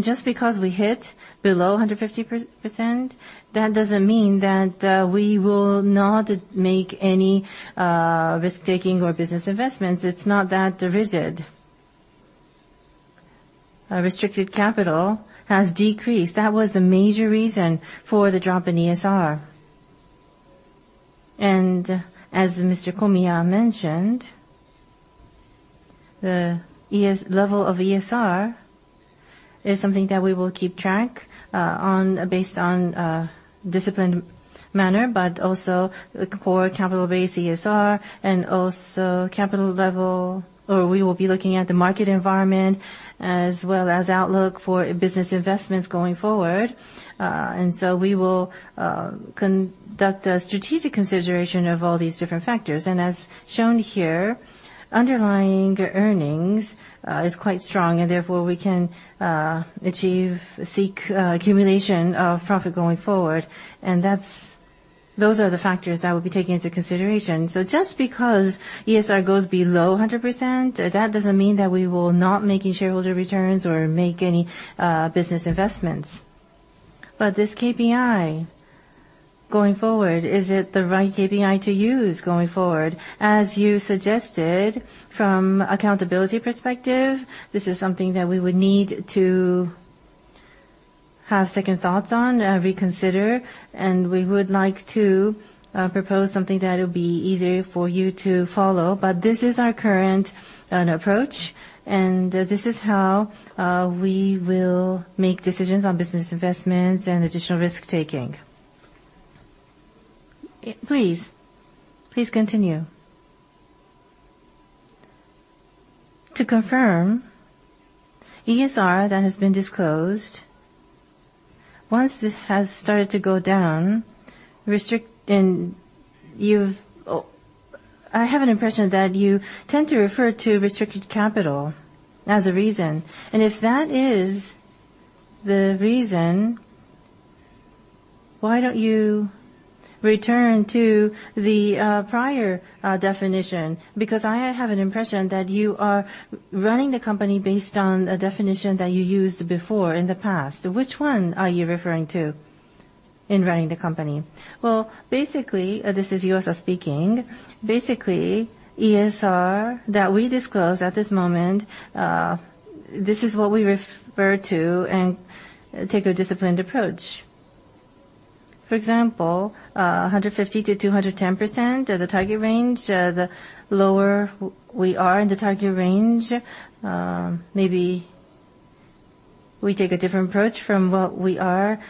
Just because we hit below 150%, that doesn't mean that we will not make any risk-taking or business investments. It's not that rigid. Restricted capital has decreased. That was the major reason for the drop in ESR. As Mr. Komiya mentioned, the level of ESR is something that we will keep track based on a disciplined manner, but also the core capital-based ESR and also capital level, or we will be looking at the market environment as well as outlook for business investments going forward. We will conduct a strategic consideration of all these different factors. As shown here, underlying earnings is quite strong, and therefore, we can achieve seek accumulation of profit going forward. Those are the factors that will be taken into consideration. Just because ESR goes below 100%, that doesn't mean that we will not making shareholder returns or make any business investments. This KPI going forward, is it the right KPI to use going forward? As you suggested from accountability perspective, this is something that we would need to have second thoughts on, reconsider, and we would like to propose something that will be easier for you to follow. This is our current approach, and this is how we will make decisions on business investments and additional risk-taking. Please. Please continue. To confirm, ESR that has been disclosed, once this has started to go down, I have an impression that you tend to refer to restricted capital as a reason. If that is the reason, why don't you return to the prior definition? Because I have an impression that you are running the company based on a definition that you used before in the past. Which one are you referring to in running the company? Basically, this is USA speaking. Basically, ESR that we disclose at this moment, this is what we refer to and take a disciplined approach. For example, 150%-210% are the target range. The lower we are in the target range, maybe we take a different approach from what we are,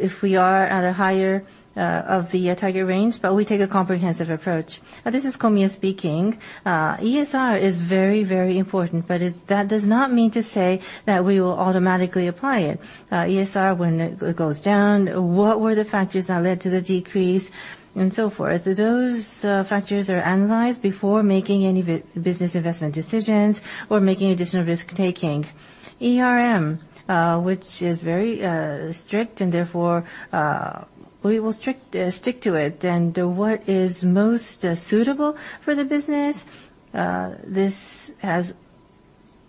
if we are at a higher of the target range, but we take a comprehensive approach. This is Komiya speaking. ESR is very, very important, that does not mean to say that we will automatically apply it. ESR, when it goes down, what were the factors that led to the decrease and so forth. Those factors are analyzed before making any business investment decisions or making additional risk-taking. ERM, which is very strict, therefore, we will stick to it. What is most suitable for the business, this has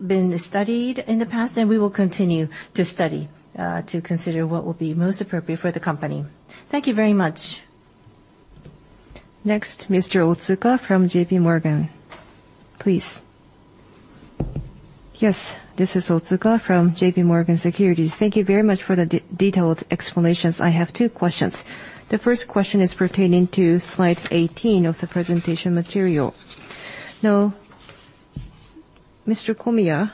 been studied in the past, and we will continue to study to consider what will be most appropriate for the company. Thank you very much. Next, Mr. Otsuka from JPMorgan. Please. Yes. This is Otsuka from JPMorgan Securities. Thank you very much for the detailed explanations. I have two questions. The first question is pertaining to slide 18 of the presentation material. Mr. Komiya,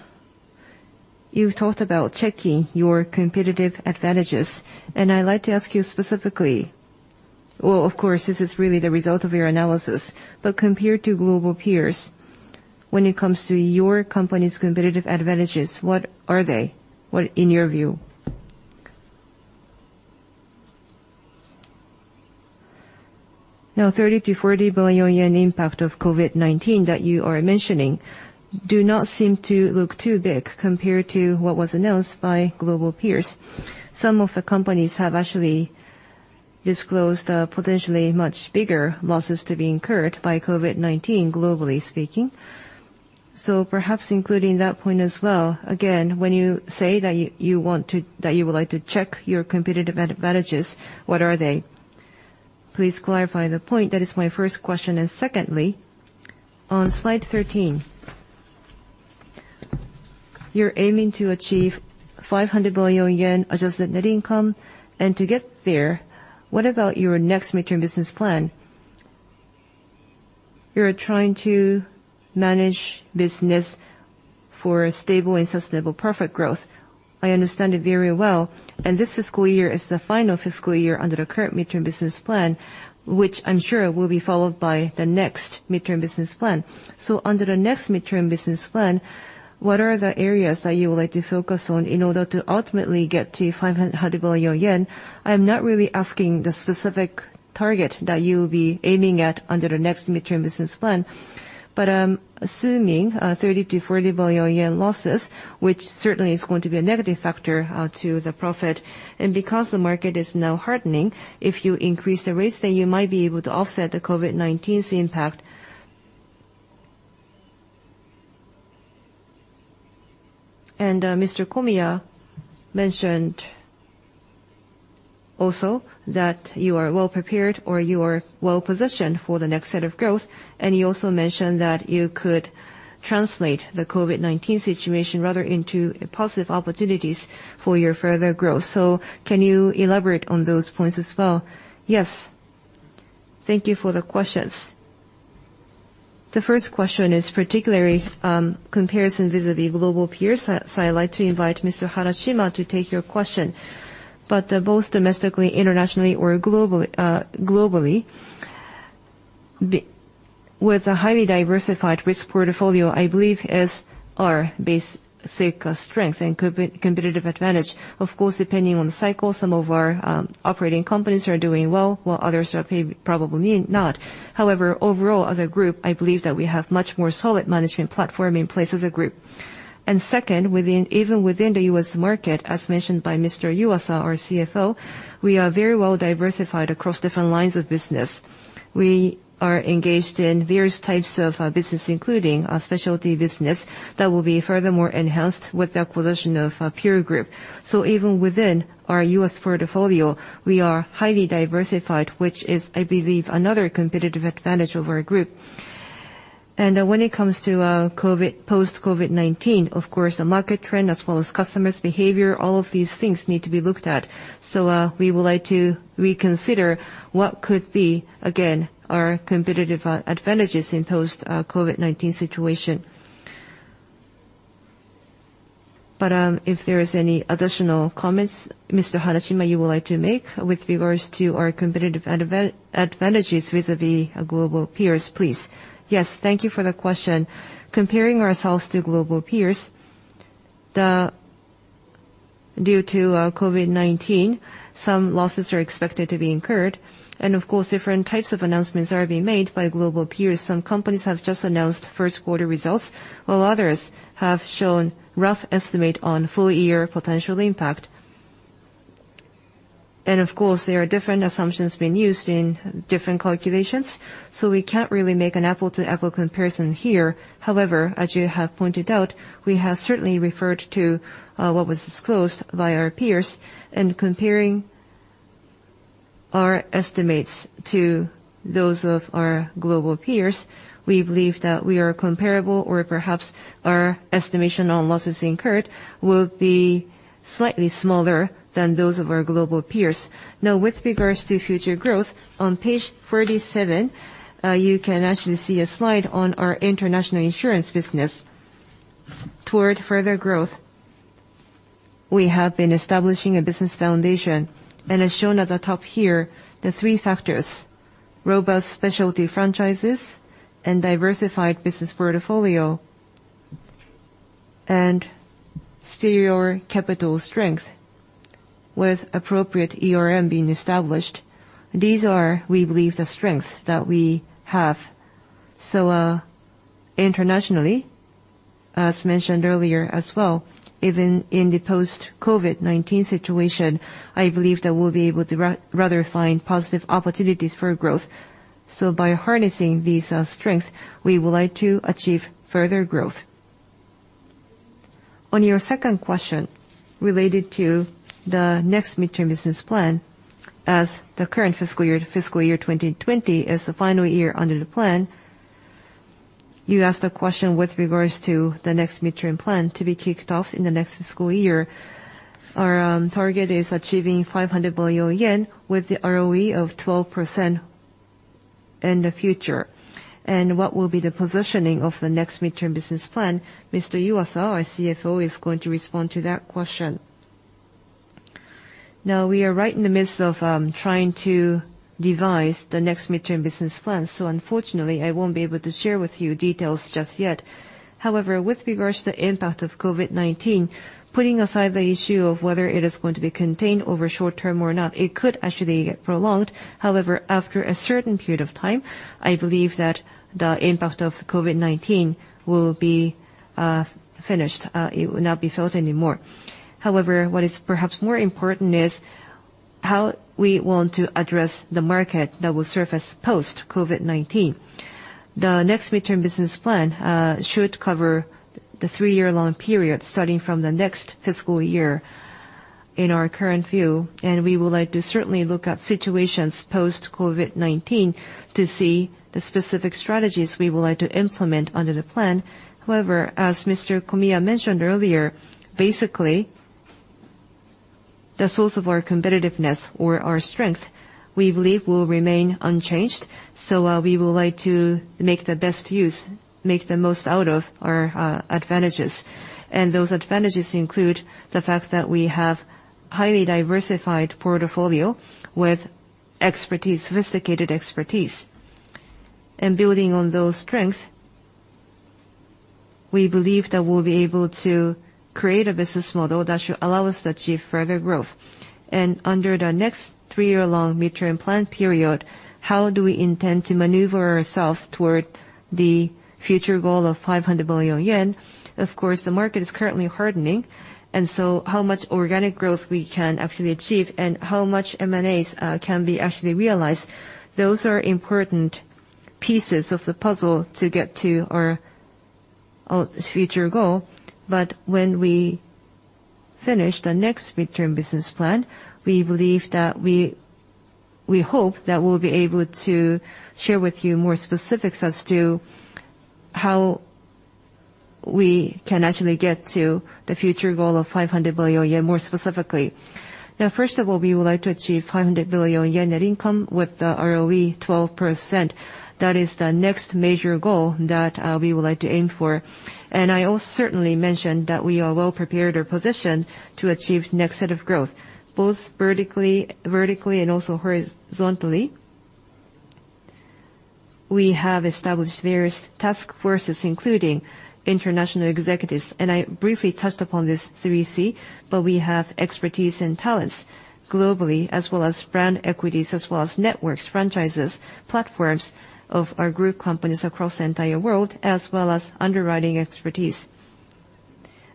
you talked about checking your competitive advantages, and I'd like to ask you specifically Well, of course, this is really the result of your analysis. Compared to global peers, when it comes to your company's competitive advantages, what are they? What, in your view? 30 billion-40 billion yen impact of COVID-19 that you are mentioning do not seem to look too big compared to what was announced by global peers. Some of the companies have actually disclosed potentially much bigger losses to be incurred by COVID-19, globally speaking. Perhaps including that point as well, again, when you say that you would like to check your competitive advantages, what are they? Please clarify the point. That is my first question. Secondly, on slide 13, you're aiming to achieve 500 billion yen adjusted net income. To get there, what about your next midterm business plan? You're trying to manage business for a stable and sustainable profit growth. I understand it very well. This fiscal year is the final fiscal year under the current midterm business plan, which I'm sure will be followed by the next midterm business plan. Under the next midterm business plan, what are the areas that you would like to focus on in order to ultimately get to 500 billion yen? I'm not really asking the specific target that you will be aiming at under the next midterm business plan. I'm assuming 30 billion-40 billion yen losses, which certainly is going to be a negative factor to the profit. Because the market is now hardening, if you increase the rates, then you might be able to offset the COVID-19's impact. Mr. Komiya mentioned also that you are well prepared, or you are well-positioned for the next set of growth. He also mentioned that you could translate the COVID-19 situation rather into positive opportunities for your further growth. Can you elaborate on those points as well? Yes. Thank you for the questions. The first question is particularly comparison vis-a-vis global peers, so I'd like to invite Mr. Harashima to take your question. Both domestically, internationally, or globally, with a highly diversified risk portfolio, I believe is our basic strength and competitive advantage. Of course, depending on the cycle, some of our operating companies are doing well, while others are probably not. However, overall, as a group, I believe that we have much more solid management platform in place as a group. Second, even within the U.S. market, as mentioned by Mr. Yuasa, our CFO, we are very well diversified across different lines of business. We are engaged in various types of business, including our specialty business, that will be furthermore enhanced with the acquisition of Pure Group. Even within our U.S. portfolio, we are highly diversified, which is, I believe, another competitive advantage of our group. When it comes to post-COVID-19, of course, the market trend as well as customers' behavior, all of these things need to be looked at. We would like to reconsider what could be, again, our competitive advantages in post-COVID-19 situation. If there is any additional comments, Mr. Harashima, you would like to make with regards to our competitive advantages vis-a-vis global peers, please. Yes. Thank you for the question. Comparing ourselves to global peers, due to COVID-19, some losses are expected to be incurred. Of course, different types of announcements are being made by global peers. Some companies have just announced first quarter results, while others have shown rough estimate on full-year potential impact. Of course, there are different assumptions being used in different calculations, so we can't really make an apple-to-apple comparison here. However, as you have pointed out, we have certainly referred to what was disclosed by our peers. Comparing our estimates to those of our global peers, we believe that we are comparable, or perhaps our estimation on losses incurred will be slightly smaller than those of our global peers. Now, with regards to future growth, on page 47, you can actually see a slide on our international insurance business. Toward further growth, we have been establishing a business foundation. As shown at the top here, the three factors, robust specialty franchises and diversified business portfolio, and superior capital strength with appropriate ERM being established. These are, we believe, the strengths that we have. Internationally, as mentioned earlier as well, even in the post-COVID-19 situation, I believe that we'll be able to rather find positive opportunities for growth. By harnessing these strengths, we would like to achieve further growth. On your second question, related to the next midterm business plan, as the current fiscal year 2020 is the final year under the plan, you asked a question with regards to the next midterm plan to be kicked off in the next fiscal year. Our target is achieving 500 billion yen with the ROE of 12% In the future. What will be the positioning of the next midterm business plan? Mr. Iwasa, our CFO, is going to respond to that question. We are right in the midst of trying to devise the next midterm business plan, so unfortunately, I won't be able to share with you details just yet. However, with regards to the impact of COVID-19, putting aside the issue of whether it is going to be contained over short-term or not, it could actually get prolonged. However, after a certain period of time, I believe that the impact of COVID-19 will be finished. It will not be felt anymore. However, what is perhaps more important is how we want to address the market that will surface post-COVID-19. The next mid-term business plan should cover the three-year long period starting from the next fiscal year in our current view. We would like to certainly look at situations post-COVID-19 to see the specific strategies we would like to implement under the plan. However, as Mr. Komiya mentioned earlier, basically, the source of our competitiveness or our strength, we believe, will remain unchanged. We would like to make the most out of our advantages. Those advantages include the fact that we have highly diversified portfolio with sophisticated expertise. Building on those strengths, we believe that we'll be able to create a business model that should allow us to achieve further growth. Under the next three-year long mid-term plan period, how do we intend to maneuver ourselves toward the future goal of 500 billion yen? Of course, the market is currently hardening. How much organic growth we can actually achieve and how much M&As can be actually realized, those are important pieces of the puzzle to get to our future goal. When we finish the next mid-term business plan, we hope that we'll be able to share with you more specifics as to how we can actually get to the future goal of 500 billion yen more specifically. First of all, we would like to achieve 500 billion yen net income with the ROE 12%. That is the next major goal that we would like to aim for. I also certainly mentioned that we are well-prepared or positioned to achieve next set of growth, both vertically and also horizontally. We have established various task forces, including international executives. I briefly touched upon this 3C. We have expertise and talents globally, as well as brand equities, as well as networks, franchises, platforms of our group companies across the entire world, as well as underwriting expertise.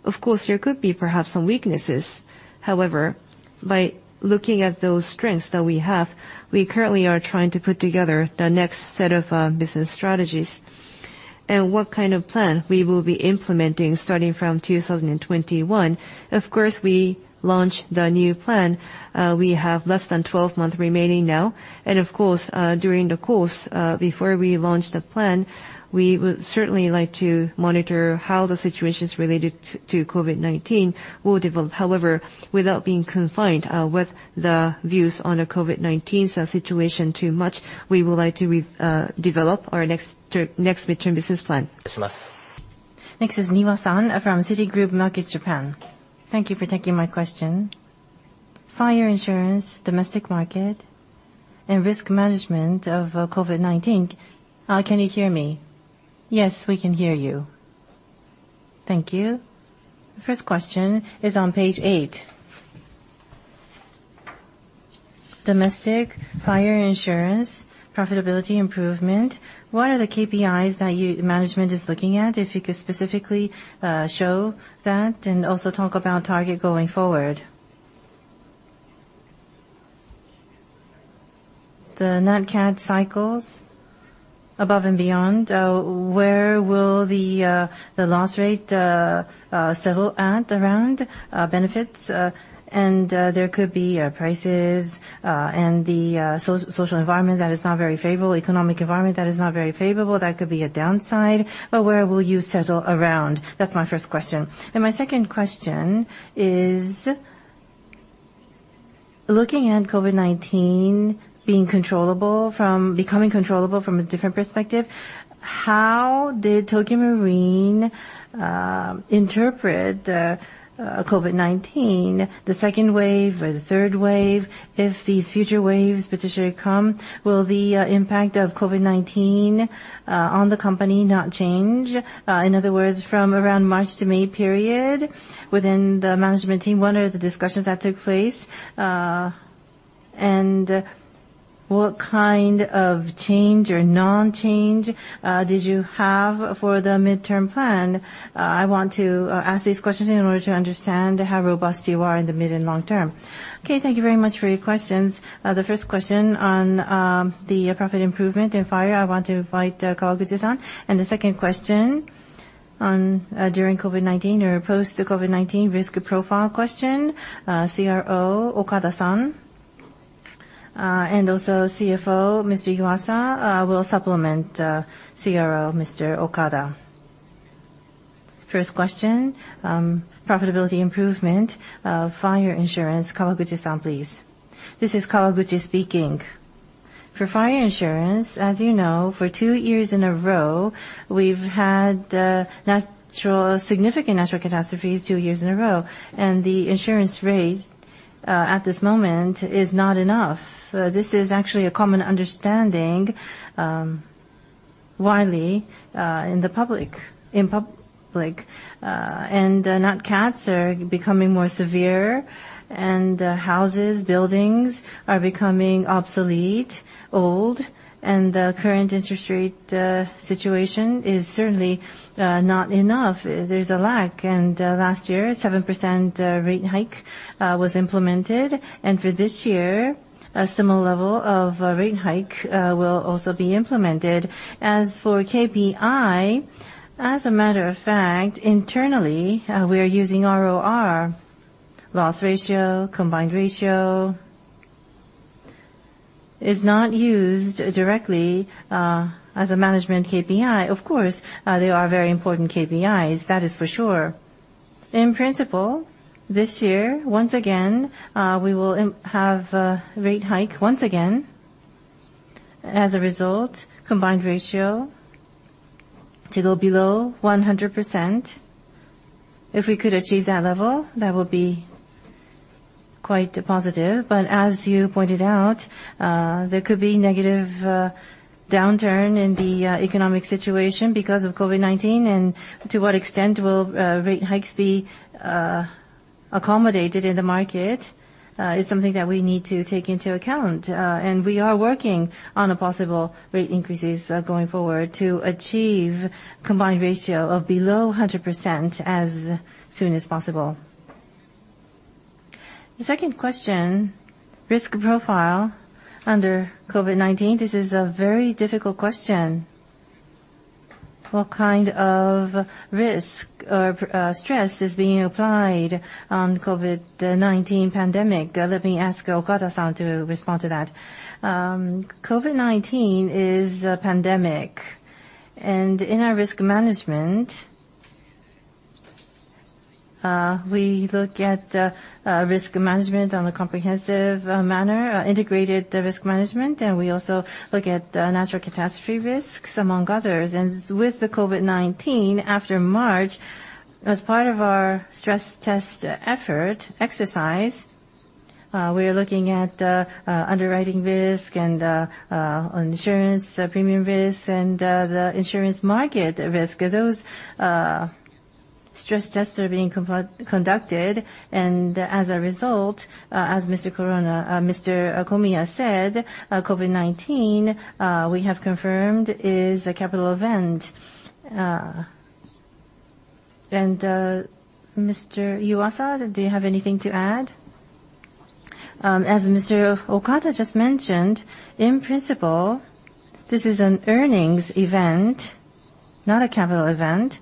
Of course, there could be perhaps some weaknesses. However, by looking at those strengths that we have, we currently are trying to put together the next set of business strategies and what kind of plan we will be implementing starting from 2021. Of course, we launch the new plan. We have less than 12 months remaining now. Of course, during the course, before we launch the plan, we would certainly like to monitor how the situations related to COVID-19 will develop. However, without being confined with the views on the COVID-19 situation too much, we would like to develop our next mid-term business plan. Next is Niwa-san from Citigroup Global Markets Japan. Thank you for taking my question. Fire insurance, domestic market, and risk management of COVID-19. Can you hear me? Yes, we can hear you. Thank you. First question is on page eight. Domestic fire insurance profitability improvement. What are the KPIs that management is looking at? If you could specifically show that and also talk about target going forward. The natural catastrophe cycles above and beyond, where will the loss rate settle at around benefits? There could be prices and the social environment that is not very favorable, economic environment that is not very favorable. That could be a downside. Where will you settle around? That's my first question. My second question is looking at COVID-19 becoming controllable from a different perspective, how did Tokio Marine interpret COVID-19, the second wave or the third wave? If these future waves potentially come, will the impact of COVID-19 on the company not change? In other words, from around March to May period, within the management team, what are the discussions that took place? What kind of change or non-change did you have for the mid-term plan? I want to ask these questions in order to understand how robust you are in the mid and long term. Okay. Thank you very much for your questions. The first question on the profit improvement in fire, I want to invite Kawaguchi-san. The second question on during COVID-19 or post COVID-19 risk profile question, CRO Okada-san. Also CFO Mr. Iwasa will supplement CRO Mr. Okada. First question, profitability improvement of fire insurance. Kawaguchi-san, please. This is Kawaguchi speaking. For fire insurance, as you know, for two years in a row, we've had significant natural catastrophes two years in a row, and the insurance rate at this moment is not enough. This is actually a common understanding widely in public. Nat cats are becoming more severe, and houses, buildings are becoming obsolete, old, and the current interest rate situation is certainly not enough. There's a lack. Last year, 7% rate hike was implemented, and for this year, a similar level of rate hike will also be implemented. As for KPI, as a matter of fact, internally, we are using ROR. Loss ratio, combined ratio is not used directly as a management KPI. Of course, they are very important KPIs, that is for sure. In principle, this year, once again, we will have a rate hike once again. As a result, combined ratio to go below 100%. If we could achieve that level, that would be quite positive. But as you pointed out, there could be negative downturn in the economic situation because of COVID-19, and to what extent will rate hikes be accommodated in the market is something that we need to take into account. We are working on the possible rate increases going forward to achieve combined ratio of below 100% as soon as possible. The second question, risk profile under COVID-19. This is a very difficult question. What kind of risk or stress is being applied on COVID-19 pandemic? Let me ask Okada-san to respond to that. COVID-19 is a pandemic, in our risk management, we look at risk management on a comprehensive manner, integrated risk management, we also look at natural catastrophe risks, among others. With the COVID-19, after March, as part of our stress test effort exercise, we are looking at underwriting risk, insurance premium risk, the insurance market risk. Those stress tests are being conducted, as a result, as Mr. Komiya said, COVID-19, we have confirmed, is a capital event. Mr. Iwasa, do you have anything to add? As Mr. Okada just mentioned, in principle, this is an earnings event, not a capital event.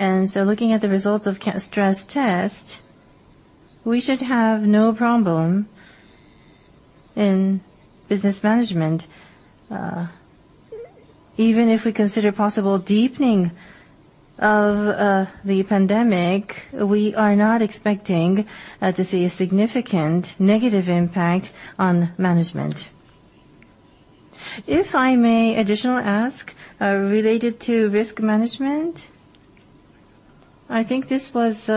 Looking at the results of stress test, we should have no problem in business management. Even if we consider possible deepening of the pandemic, we are not expecting to see a significant negative impact on management. If I may additionally ask, related to risk management, I think this was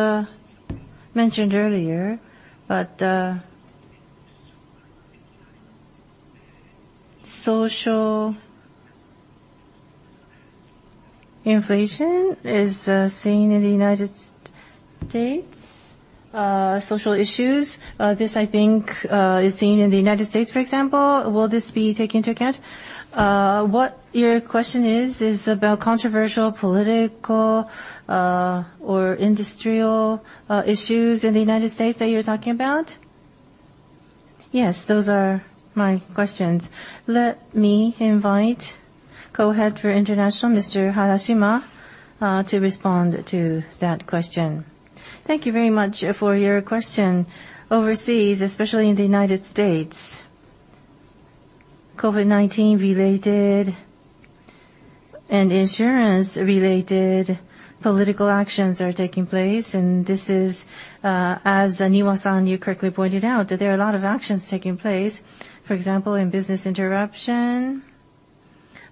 mentioned earlier, but social inflation is seen in the U.S. Social issues, this I think is seen in the U.S., for example. Will this be taken into account? What your question is about controversial political or industrial issues in the U.S. that you're talking about? Yes, those are my questions. Let me invite Co-Head for International, Mr. Harashima, to respond to that question. Thank you very much for your question. Overseas, especially in the U.S., COVID-19 related and insurance related political actions are taking place, and this is, as Niwa-san, you correctly pointed out, there are a lot of actions taking place. For example, in business interruption,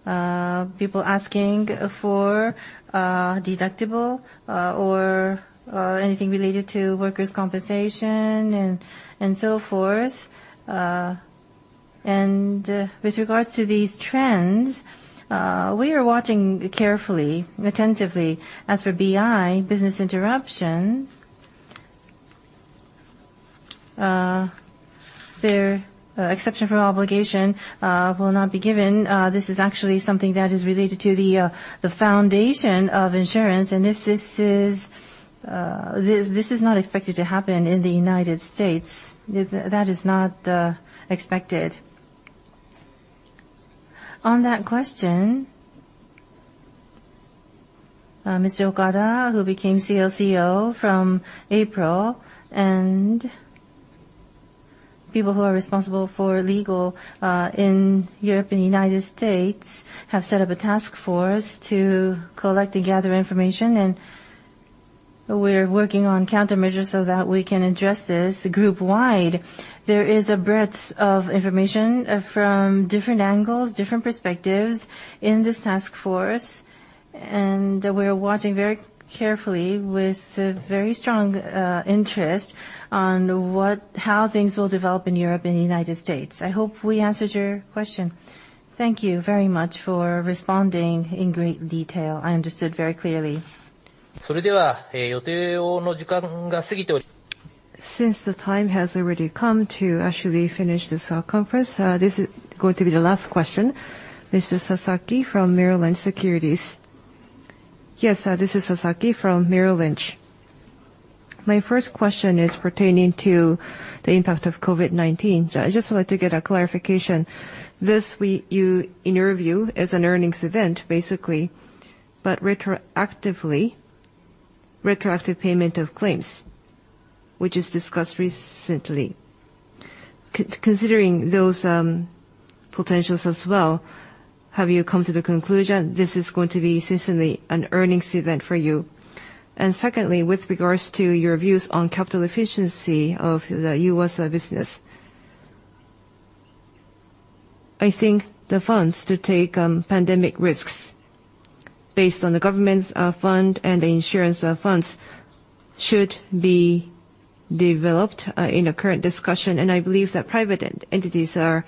people asking for deductible or anything related to workers' compensation and so forth. With regards to these trends, we are watching carefully, attentively. As for BI, business interruption, their exception for obligation will not be given. This is actually something that is related to the foundation of insurance, and this is not expected to happen in the U.S. That is not expected. On that question, Mr. Okada, who became CLCO from April. People who are responsible for legal in Europe and U.S. have set up a task force to collect and gather information, and we're working on countermeasures so that we can address this group wide. There is a breadth of information from different angles, different perspectives in this task force. We are watching very carefully with a very strong interest on how things will develop in Europe and the U.S. I hope we answered your question. Thank you very much for responding in great detail. I understood very clearly. Since the time has already come to actually finish this conference, this is going to be the last question. Mr. Sasaki from Merrill Lynch Securities. Yes. This is Sasaki from Merrill Lynch. My first question is pertaining to the impact of COVID-19. I'd just like to get a clarification. This week, you interview as an earnings event, basically, but retroactive payment of claims, which is discussed recently. Considering those potentials as well, have you come to the conclusion this is going to be essentially an earnings event for you? Secondly, with regards to your views on capital efficiency of the U.S. business. I think the funds to take pandemic risks based on the government's fund and the insurance funds should be developed in a current discussion, and I believe that private entities are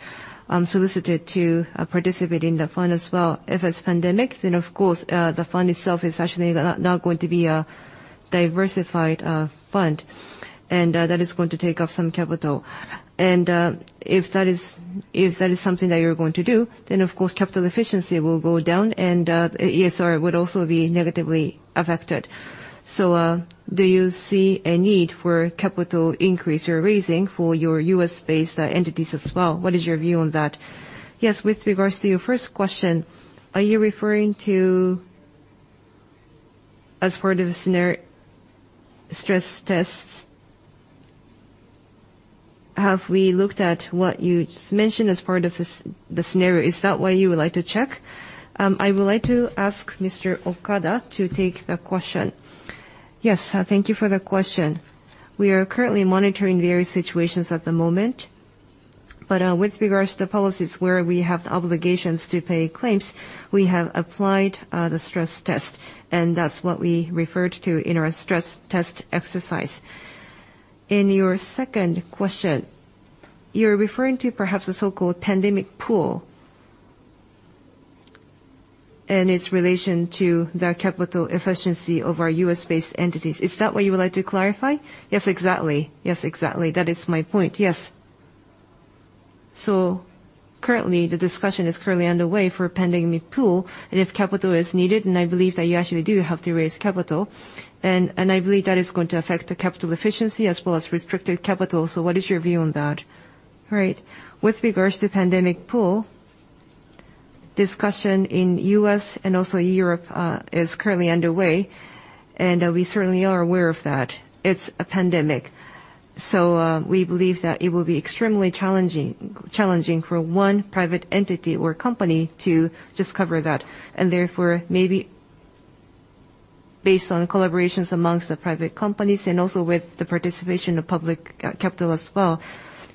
solicited to participate in the fund as well. If it's pandemic, then of course, the fund itself is actually not going to be a diversified fund, and that is going to take up some capital. If that is something that you're going to do, then of course capital efficiency will go down and ESR would also be negatively affected. Do you see a need for capital increase or raising for your U.S.-based entities as well? What is your view on that? Yes, with regards to your first question, are you referring to as part of stress tests? Have we looked at what you just mentioned as part of the scenario? Is that what you would like to check? I would like to ask Mr. Okada to take the question. Yes. Thank you for the question. We are currently monitoring various situations at the moment, with regards to the policies where we have the obligations to pay claims, we have applied the stress test, and that's what we referred to in our stress test exercise. In your second question, you're referring to perhaps the so-called pandemic pool, and its relation to the capital efficiency of our U.S.-based entities. Is that what you would like to clarify? Yes, exactly. That is my point. Yes. Currently, the discussion is currently underway for a pandemic pool, and if capital is needed, and I believe that you actually do have to raise capital. I believe that is going to affect the capital efficiency as well as restricted capital. What is your view on that? Right. With regards to pandemic pool, discussion in U.S. and also Europe, is currently underway, and we certainly are aware of that. It's a pandemic. We believe that it will be extremely challenging for one private entity or company to just cover that. Therefore, maybe based on collaborations amongst the private companies and also with the participation of public capital as well,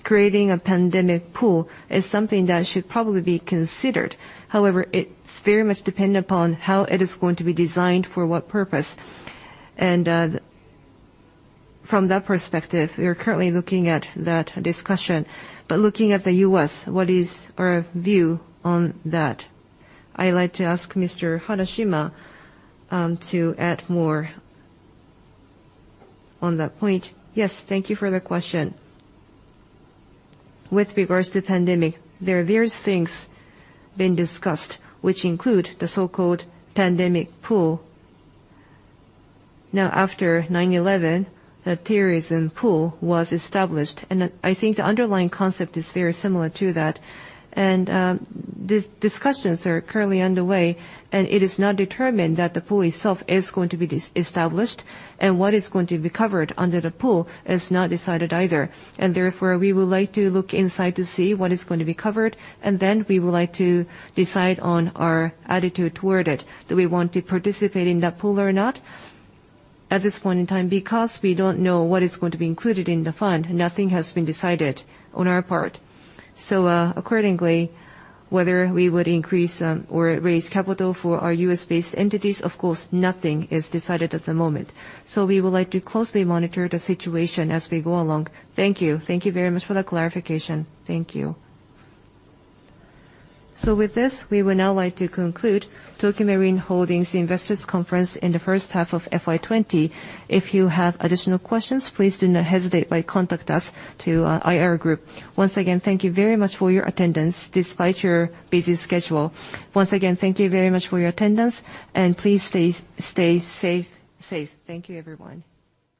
creating a pandemic pool is something that should probably be considered. However, it's very much dependent upon how it is going to be designed, for what purpose. From that perspective, we are currently looking at that discussion. Looking at the U.S., what is our view on that? I like to ask Mr. Harashima to add more on that point. Yes, thank you for the question. With regards to pandemic, there are various things been discussed, which include the so-called pandemic pool. After 9/11, the terrorism pool was established, and I think the underlying concept is very similar to that. The discussions are currently underway, and it is not determined that the pool itself is going to be established. What is going to be covered under the pool is not decided either. Therefore, we would like to look inside to see what is going to be covered, and then we would like to decide on our attitude toward it. Do we want to participate in that pool or not? At this point in time, because we don't know what is going to be included in the fund, nothing has been decided on our part. Accordingly, whether we would increase or raise capital for our U.S.-based entities, of course, nothing is decided at the moment. We would like to closely monitor the situation as we go along. Thank you. Thank you very much for the clarification. Thank you. With this, we would now like to conclude Tokio Marine Holdings Investors Conference in the first half of FY 2020. If you have additional questions, please do not hesitate, but contact us to IR Group. Once again, thank you very much for your attendance despite your busy schedule. Once again, thank you very much for your attendance and please stay safe. Thank you everyone.